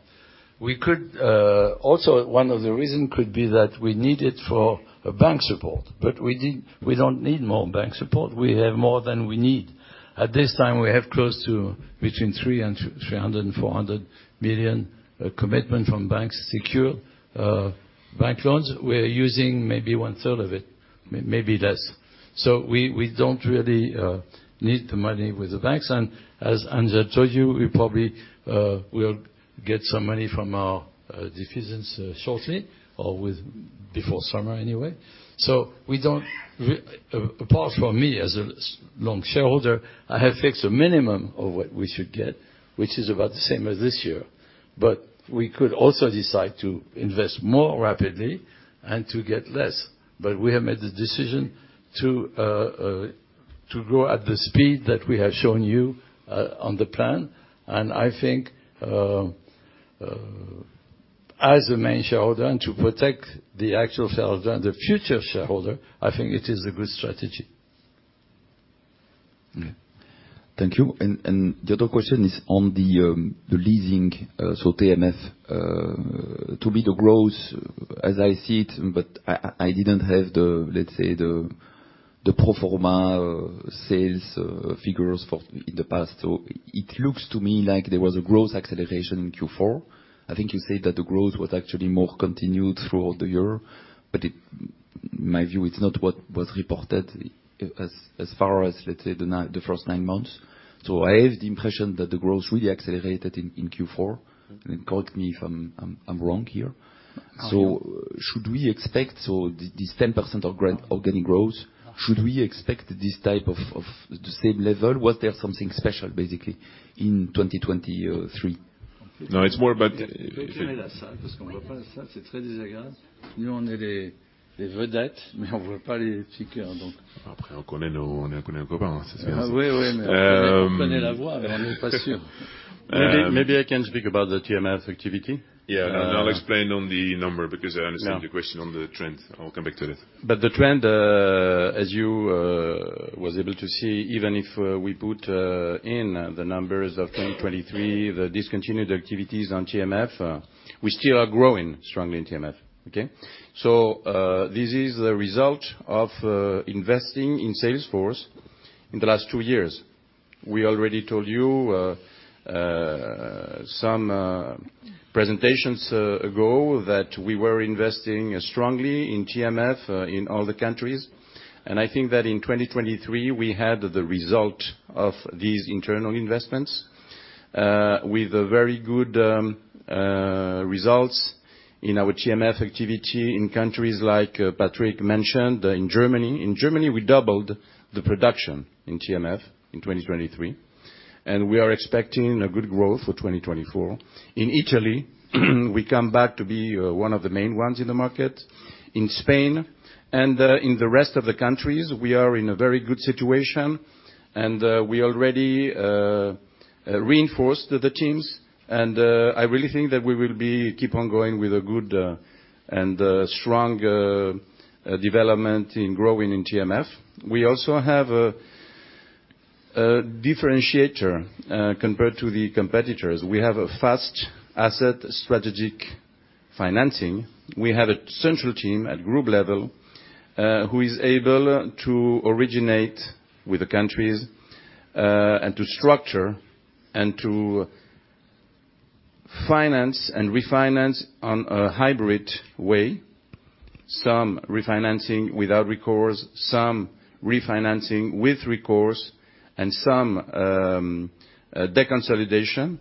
Also, one of the reasons could be that we need it for bank support, but we don't need more bank support. We have more than we need. At this time, we have close to between 3 million and 400 million commitment from banks, secure bank loans. We are using maybe 1/3 of it, maybe less. So we don't really need the money with the banks. As Angel told you, we probably will get some money from our deficiency shortly or before summer anyway. Apart from me as a long shareholder, I have fixed a minimum of what we should get, which is about the same as this year. We could also decide to invest more rapidly and to get less. We have made the decision to grow at the speed that we have shown you on the plan. I think as a main shareholder and to protect the actual shareholder and the future shareholder, I think it is a good strategy. Okay. Thank you. The other question is on the leasing, so TMF. To me, the growth, as I see it, but I didn't have the, let's say, the pro forma sales figures in the past. It looks to me like there was a growth acceleration in Q4. I think you said that the growth was actually more continued throughout the year. But in my view, it's not what was reported as far as, let's say, the first nine months. So I have the impression that the growth really accelerated in Q4. And correct me if I'm wrong here. So should we expect so this 10% organic growth, should we expect this type of the same level? Was there something special, basically, in 2023? No, it's more about. Peut-on mettre à ça parce qu'on ne voit pas à ça? C'est très désagréable. Nous, on est les vedettes, mais on ne voit pas les piqueurs, donc. Après, on connaît nos on est un connaît-on-copain, c'est bien ça. Oui, oui, mais on connaît la voie, mais on n'est pas sûrs. Maybe I can speak about the TMF activity. Yeah. No, no. I'll explain on the number because I understand the question on the trend. I'll come back to it. But the trend, as you were able to see, even if we put in the numbers of 2023, the discontinued activities on TMF, we still are growing strongly in TMF. Okay? So this is the result of investing in Salesforce in the last two years. We already told you some presentations ago that we were investing strongly in TMF in all the countries. I think that in 2023, we had the result of these internal investments with very good results in our TMF activity in countries like Patrick mentioned, in Germany. In Germany, we doubled the production in TMF in 2023. We are expecting a good growth for 2024. In Italy, we come back to be one of the main ones in the market. In Spain. In the rest of the countries, we are in a very good situation. We already reinforced the teams. I really think that we will keep on going with a good and strong development in growing in TMF. We also have a differentiator compared to the competitors. We have a Fast Asset Strategic Financing. We have a central team at group level who is able to originate with the countries and to structure and to finance and refinance on a hybrid way, some refinancing without recourse, some refinancing with recourse, and some deconsolidation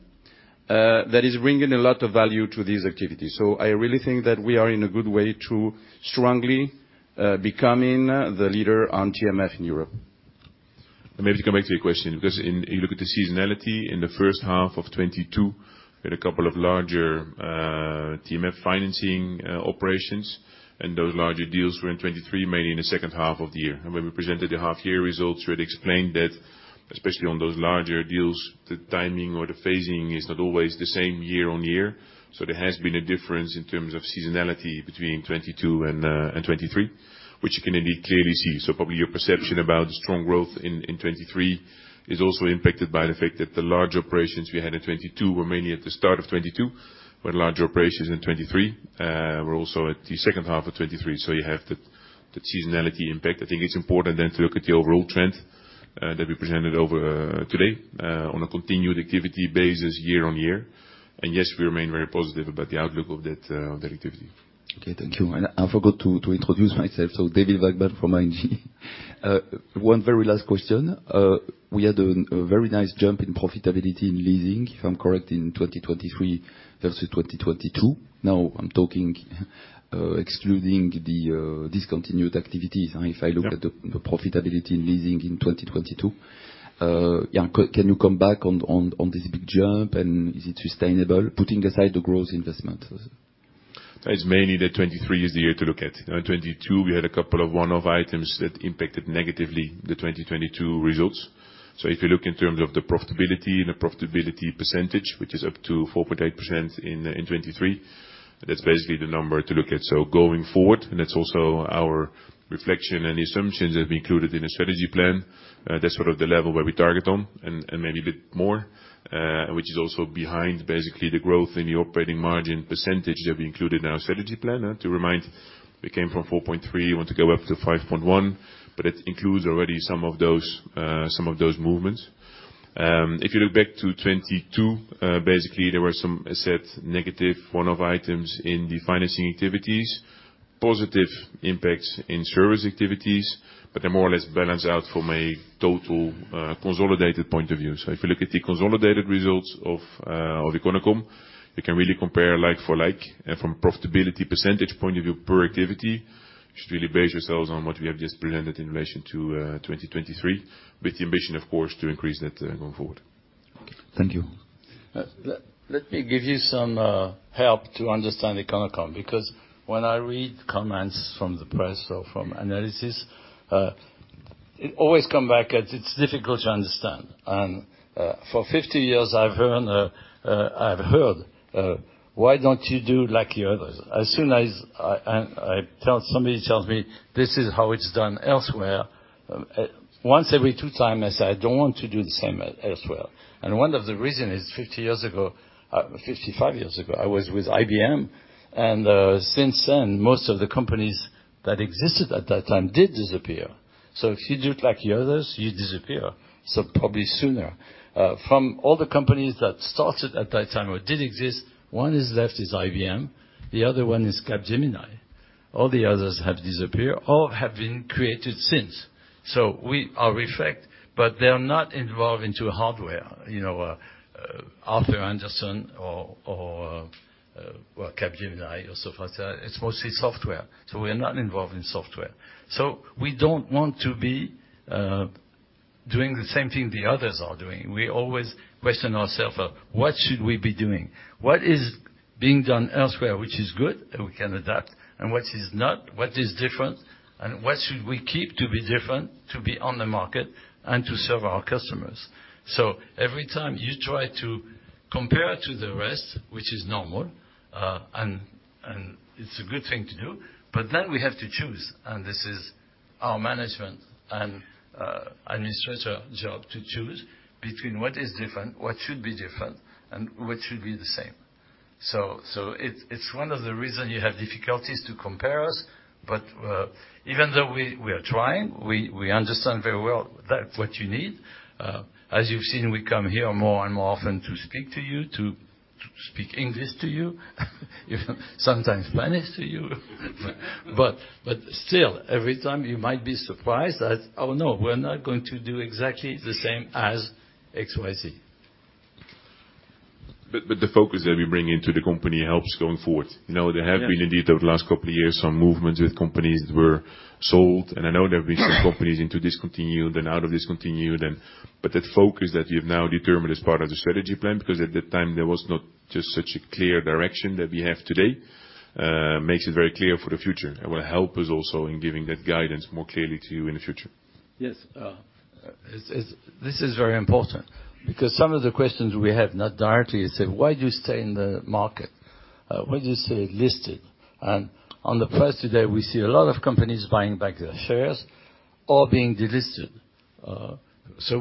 that is bringing a lot of value to these activities. I really think that we are in a good way to strongly becoming the leader on TMF in Europe. And maybe to come back to your question because if you look at the seasonality, in the first half of 2022, we had a couple of larger TMF financing operations. And those larger deals were in 2023, mainly in the second half of the year. And when we presented the half-year results, we had explained that especially on those larger deals, the timing or the phasing is not always the same year on year. So there has been a difference in terms of seasonality between 2022 and 2023, which you can indeed clearly see. So probably your perception about the strong growth in 2023 is also impacted by the fact that the large operations we had in 2022 were mainly at the start of 2022. We had larger operations in 2023. We're also at the second half of 2023. So you have that seasonality impact. I think it's important then to look at the overall trend that we presented today on a continued activity basis year on year. And yes, we remain very positive about the outlook of that activity. Okay. Thank you. And I forgot to introduce myself. So David Vagman from ING. One very last question. We had a very nice jump in profitability in leasing, if I'm correct, in 2023 versus 2022. Now, I'm talking excluding the discontinued activities. If I look at the profitability in leasing in 2022, can you come back on this big jump, and is it sustainable, putting aside the growth investments? It's mainly that 2023 is the year to look at. In 2022, we had a couple of one-off items that impacted negatively the 2022 results. So if you look in terms of the profitability and the profitability percentage, which is up to 4.8% in 2023, that's basically the number to look at. So going forward, and that's also our reflection and assumptions that we included in the strategy plan, that's sort of the level where we target on and maybe a bit more, which is also behind basically the growth in the operating margin percentage that we included in our strategy plan. To remind, we came from 4.3%. We want to go up to 5.1%. But it includes already some of those movements. If you look back to 2022, basically, there were some asset negative one-off items in the financing activities, positive impacts in service activities, but they're more or less balanced out from a total consolidated point of view. So if you look at the consolidated results of Econocom, you can really compare like for like. From a profitability percentage point of view per activity, you should really base yourselves on what we have just presented in relation to 2023 with the ambition, of course, to increase that going forward. Thank you. Let me give you some help to understand Econocom because when I read comments from the press or from analysts, it always comes back as it's difficult to understand. For 50 years, I've heard why don't you do like the others? As soon as somebody tells me, "This is how it's done elsewhere," once every two times, I say, "I don't want to do the same elsewhere." One of the reasons is 50 years ago, 55 years ago, I was with IBM. Since then, most of the companies that existed at that time did disappear. So if you do it like the others, you disappear probably sooner. From all the companies that started at that time or did exist, one is left is IBM. The other one is Capgemini. All the others have disappeared or have been created since. So we are different, but they are not involved in hardware, Arthur Andersen or Capgemini or so forth. It's mostly software. So we are not involved in software. So we don't want to be doing the same thing the others are doing. We always question ourselves, "What should we be doing? What is being done elsewhere, which is good and we can adapt, and what is different? What should we keep to be different, to be on the market, and to serve our customers? Every time you try to compare to the rest, which is normal, and it's a good thing to do, but then we have to choose. This is our management and administrator job to choose between what is different, what should be different, and what should be the same. It's one of the reasons you have difficulties to compare us. But even though we are trying, we understand very well what you need. As you've seen, we come here more and more often to speak to you, to speak English to you, sometimes Spanish to you. But still, every time, you might be surprised that, "Oh no, we're not going to do exactly the same as XYZ." But the focus that we bring into the company helps going forward. There have been, indeed, over the last couple of years some movements with companies that were sold. I know there have been some companies into discontinued and out of discontinued. That focus that you have now determined as part of the strategy plan, because at that time there was not just such a clear direction that we have today, makes it very clear for the future and will help us also in giving that guidance more clearly to you in the future. Yes. This is very important because some of the questions we have, not directly, is said, "Why do you stay in the market? Why do you stay listed?" On the price today, we see a lot of companies buying back their shares or being delisted.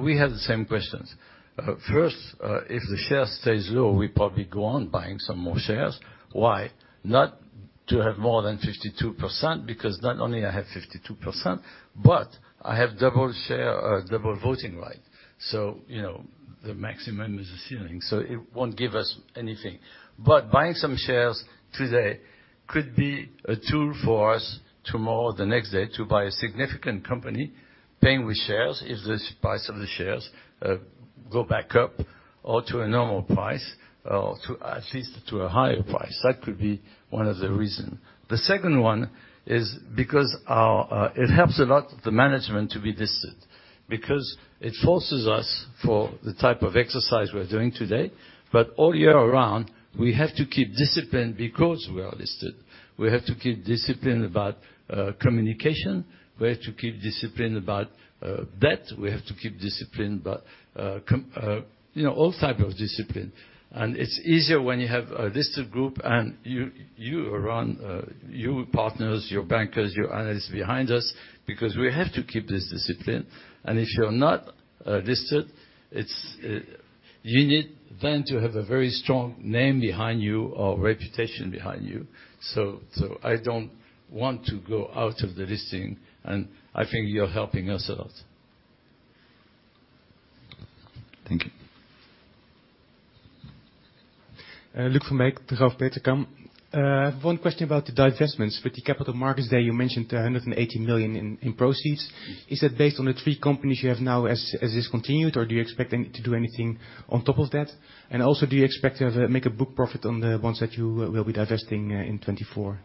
We have the same questions. First, if the share stays low, we probably go on buying some more shares. Why? Not to have more than 52% because not only I have 52%, but I have double voting right. So the maximum is the ceiling. So it won't give us anything. But buying some shares today could be a tool for us tomorrow or the next day to buy a significant company paying with shares if the price of the shares go back up or to a normal price or at least to a higher price. That could be one of the reasons. The second one is because it helps a lot the management to be listed because it forces us for the type of exercise we're doing today. But all year around, we have to keep discipline because we are listed. We have to keep discipline about communication. We have to keep discipline about debt. We have to keep discipline about all types of discipline. It's easier when you have a listed group and you, partners, your bankers, your analysts behind us because we have to keep this discipline. If you're not listed, you need then to have a very strong name behind you or reputation behind you. I don't want to go out of the listing. I think you're helping us a lot. Thank you. Lucas Vermeij, Degroof Petercam. One question about the divestments. With the capital markets there, you mentioned 180 million in proceeds. Is that based on the three companies you have now as discontinued, or do you expect to do anything on top of that? And also, do you expect to make a book profit on the ones that you will be divesting in 2024?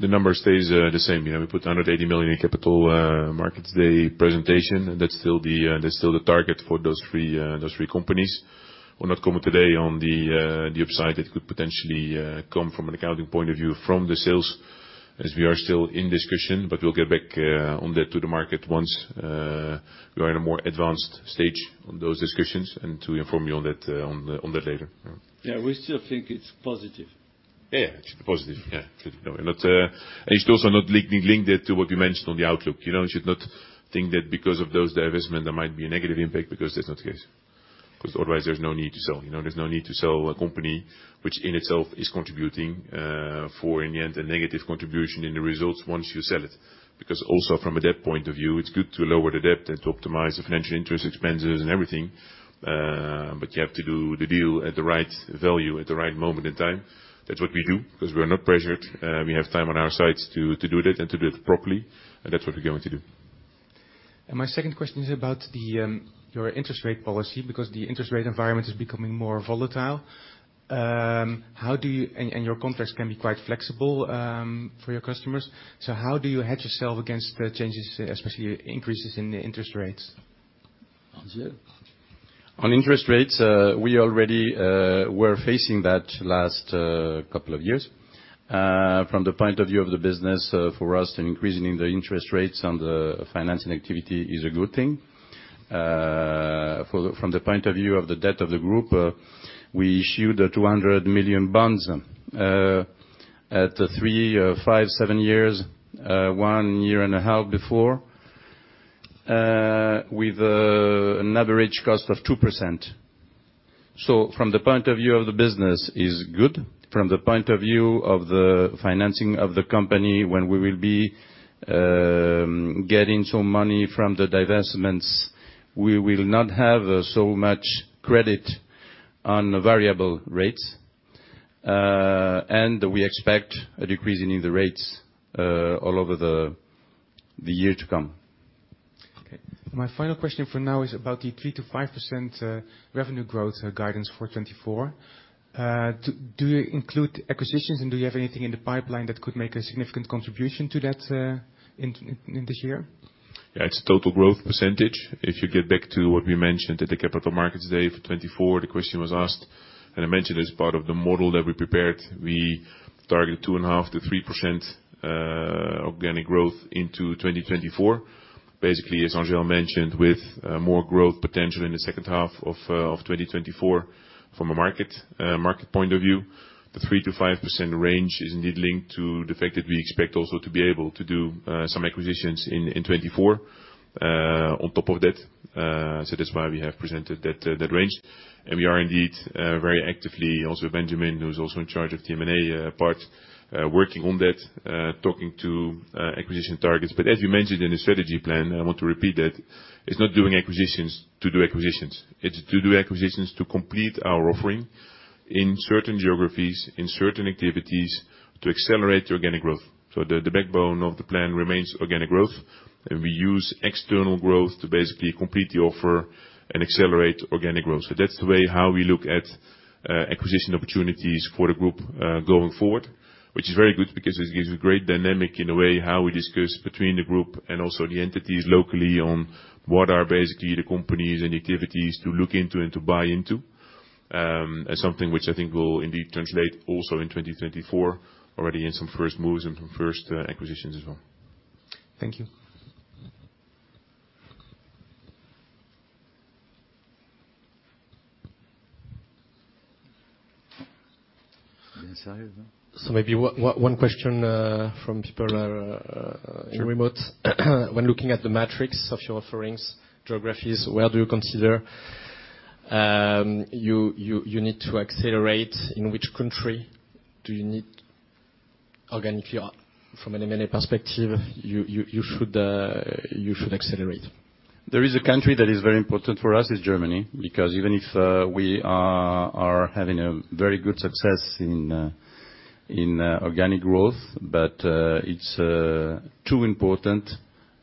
The number stays the same. We put 180 million in capital markets day presentation. That's still the target for those three companies. We're not coming today on the upside that could potentially come from an accounting point of view from the sales as we are still in discussion. But we'll get back on that to the market once we are in a more advanced stage on those discussions and to inform you on that later. Yeah. We still think it's positive. Yeah. It should be positive. Yeah. You should also not link that to what you mentioned on the outlook. You should not think that because of those divestments, there might be a negative impact because that's not the case because otherwise, there's no need to sell. There's no need to sell a company which in itself is contributing for, in the end, a negative contribution in the results once you sell it because also from a debt point of view, it's good to lower the debt and to optimize the financial interest expenses and everything. But you have to do the deal at the right value at the right moment in time. That's what we do because we are not pressured. We have time on our sides to do that and to do it properly. That's what we're going to do. My second question is about your interest rate policy because the interest rate environment is becoming more volatile. Your contracts can be quite flexible for your customers. So how do you hedge yourself against the changes, especially increases in the interest rates? On interest rates, we already were facing that last couple of years. From the point of view of the business, for us, increasing the interest rates on the financing activity is a good thing. From the point of view of the debt of the group, we issued 200 million bonds at three, five, seven years, one year and a half before with an average cost of 2%. So from the point of view of the business, it's good. From the point of view of the financing of the company, when we will be getting some money from the divestments, we will not have so much credit on variable rates. And we expect a decrease in the rates all over the year to come. Okay. My final question for now is about the 3%-5% revenue growth guidance for 2024. Do you include acquisitions, and do you have anything in the pipeline that could make a significant contribution to that in this year? Yeah. It's a total growth percentage. If you get back to what we mentioned at the capital markets day for 2024, the question was asked. I mentioned as part of the model that we prepared, we targeted 2.5%-3% organic growth into 2024, basically, as Angel mentioned, with more growth potential in the second half of 2024 from a market point of view. The 3%-5% range is indeed linked to the fact that we expect also to be able to do some acquisitions in 2024 on top of that. So that's why we have presented that range. We are indeed very actively also Benjamin, who's also in charge of M&A, part working on that, talking to acquisition targets. But as you mentioned in the strategy plan, I want to repeat that it's not doing acquisitions to do acquisitions. It's to do acquisitions to complete our offering in certain geographies, in certain activities, to accelerate the organic growth. So the backbone of the plan remains organic growth. And we use external growth to basically complete the offer and accelerate organic growth. So that's the way how we look at acquisition opportunities for the group going forward, which is very good because it gives a great dynamic in a way how we discuss between the group and also the entities locally on what are basically the companies and the activities to look into and to buy into as something which I think will indeed translate also in 2024 already in some first moves and some first acquisitions as well. Thank you. So maybe one question from people in remote. When looking at the metrics of your offerings, geographies, where do you consider you need to accelerate? In which country do you need organically from an M&A perspective, you should accelerate? There is a country that is very important for us: Germany, because even if we are having a very good success in organic growth, but it's too important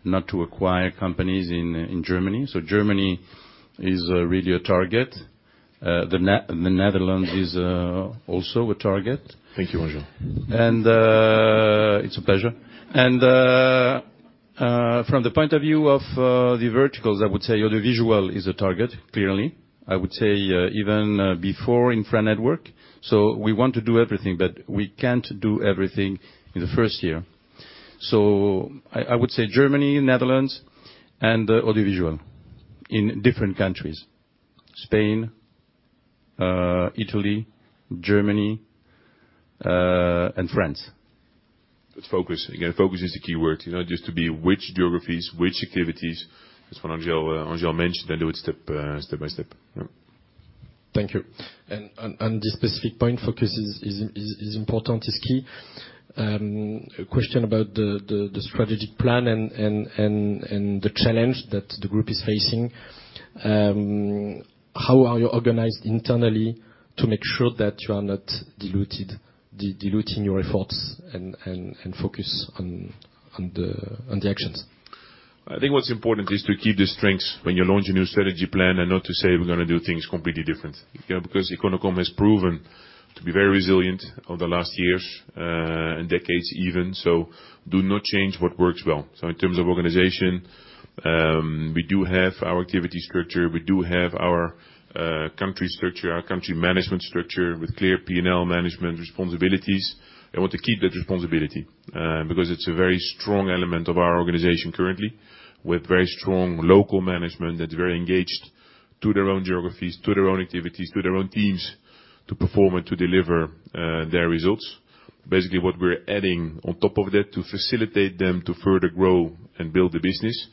not to acquire companies in Germany. So Germany is really a target. The Netherlands is also a target. Thank you, Angel. And it's a pleasure. And from the point of view of the verticals, I would say the visual is a target, clearly. I would say even before Infra Network. So we want to do everything, but we can't do everything in the first year. So I would say Germany, Netherlands, and the audiovisual in different countries: Spain, Italy, Germany, and France. But focus. Again, focus is the key word. Just to be which geographies, which activities, as what Angel mentioned, then do it step by step. Thank you. And this specific point, focus, is important, is key. Question about the strategic plan and the challenge that the group is facing. How are you organized internally to make sure that you are not diluting your efforts and focus on the actions? I think what's important is to keep the strengths when you launch a new strategy plan and not to say we're going to do things completely different because Econocom has proven to be very resilient over the last years and decades even. So do not change what works well. So in terms of organization, we do have our activity structure. We do have our country structure, our country management structure with clear P&L management responsibilities. I want to keep that responsibility because it's a very strong element of our organization currently with very strong local management that's very engaged to their own geographies, to their own activities, to their own teams to perform and to deliver their results. Basically, what we're adding on top of that to facilitate them to further grow and build the business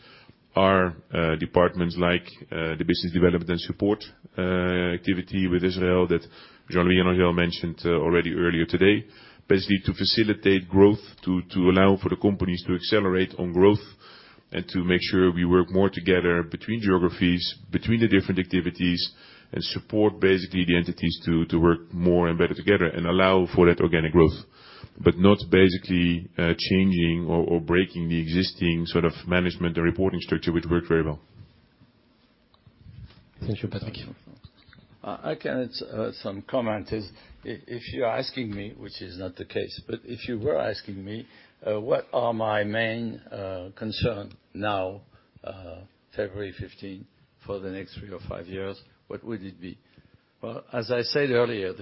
are departments like the business development and support activity with Israel that Jean-Louis and Angel mentioned already earlier today, basically to facilitate growth, to allow for the companies to accelerate on growth, and to make sure we work more together between geographies, between the different activities, and support basically the entities to work more and better together and allow for that organic growth but not basically changing or breaking the existing sort of management and reporting structure, which worked very well. Thank you, Patrick. I can add some comments. If you're asking me, which is not the case, but if you were asking me, what are my main concerns now, February 15, for the next three or five years, what would it be? Well, as I said earlier,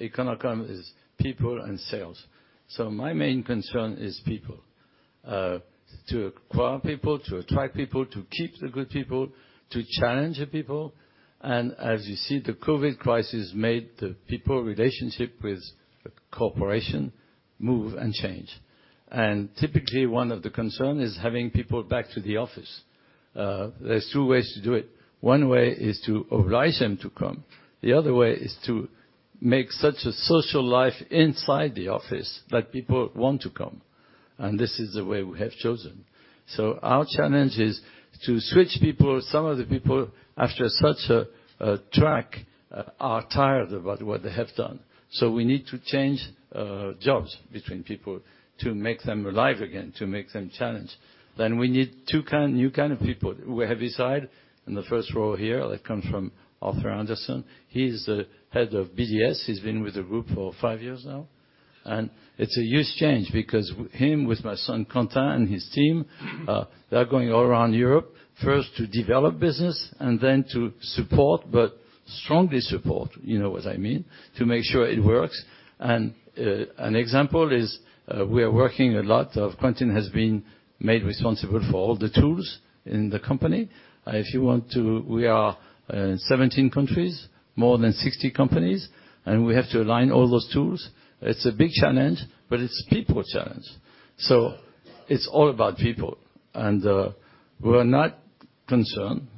Econocom is people and sales. So my main concern is people: to acquire people, to attract people, to keep the good people, to challenge the people. As you see, the COVID crisis made the people relationship with the corporation move and change. Typically, one of the concerns is having people back to the office. There's two ways to do it. One way is to oblige them to come. The other way is to make such a social life inside the office that people want to come. This is the way we have chosen. Our challenge is to switch people. Some of the people, after such a track, are tired about what they have done. So we need to change jobs between people to make them alive again, to make them challenged. Then we need new kind of people. We have this guy in the first row here that comes from Arthur Andersen. He is the head of BDS. He's been with the group for five years now. And it's a huge change because him with my son Quentin and his team, they're going all around Europe, first to develop business and then to support, but strongly support, you know what I mean, to make sure it works. And an example is we are working a lot. Quentin has been made responsible for all the tools in the company. If you want to, we are in 17 countries, more than 60 companies, and we have to align all those tools. It's a big challenge, but it's a people challenge. So it's all about people. And we're not concerned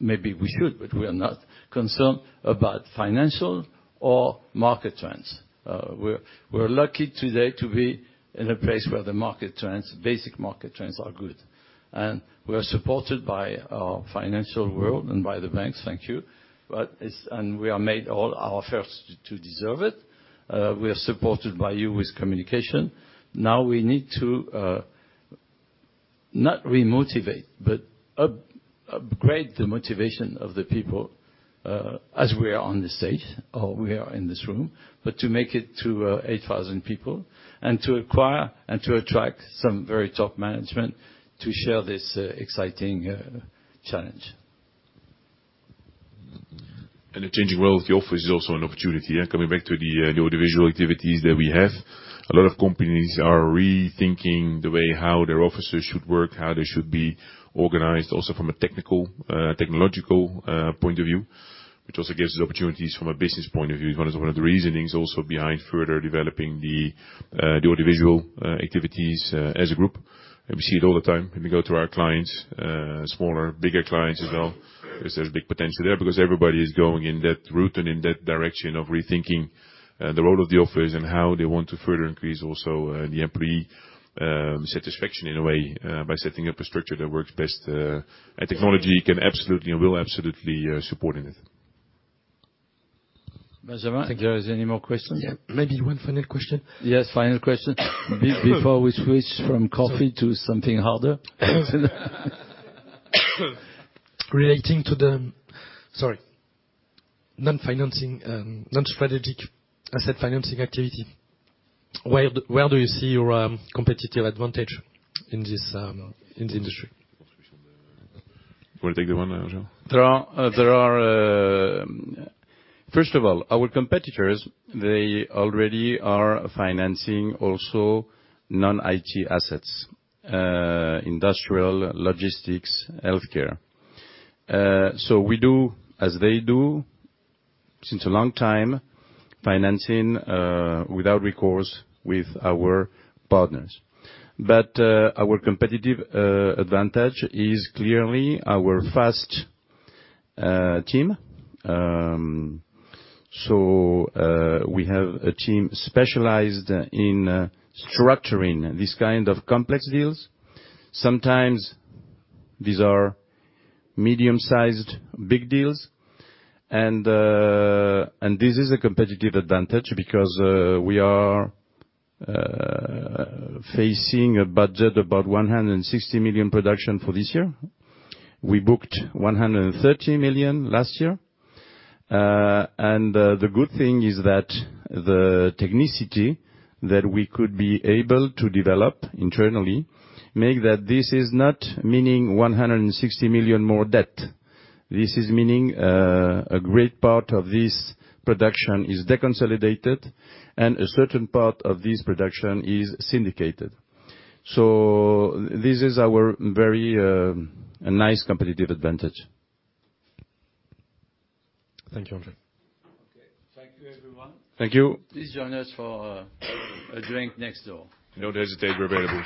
maybe we should, but we are not concerned about financial or market trends. We're lucky today to be in a place where the market trends, basic market trends, are good. And we are supported by our financial world and by the banks. Thank you. And we are made all our efforts to deserve it. We are supported by you with communication. Now we need to not remotivate, but upgrade the motivation of the people as we are on this stage or we are in this room, but to make it to 8,000 people and to acquire and to attract some very top management to share this exciting challenge. And a changing world with the office is also an opportunity. Coming back to the audiovisual activities that we have, a lot of companies are rethinking the way how their offices should work, how they should be organized also from a technological point of view, which also gives us opportunities from a business point of view. It's one of the reasonings also behind further developing the audiovisual activities as a group. And we see it all the time. When we go to our clients, smaller, bigger clients as well, there's big potential there because everybody is going in that route and in that direction of rethinking the role of the office and how they want to further increase also the employee satisfaction in a way by setting up a structure that works best. And technology can absolutely and will absolutely support in it. Thank you. Are there any more questions? Yeah. Maybe one final question. Yes. Final question before we switch from coffee to something harder. Relating to the sorry. Non-financing, non-strategic asset financing activity, where do you see your competitive advantage in this industry? You want to take the one, Angel? First of all, our competitors, they already are financing also non-IT assets: industrial, logistics, healthcare. So we do, as they do, since a long time, financing without recourse with our partners. But our competitive advantage is clearly our FAST team. So we have a team specialized in structuring these kinds of complex deals. Sometimes these are medium-sized big deals. And this is a competitive advantage because we are facing a budget about 160 million production for this year. We booked 130 million last year. And the good thing is that the technicity that we could be able to develop internally means that this is not meaning 160 million more debt. This is meaning a great part of this production is deconsolidated, and a certain part of this production is syndicated. So this is our very nice competitive advantage. Thank you, Angel. Okay. Thank you, everyone. Thank you. Please join us for a drink next door. Don't hesitate. We're available.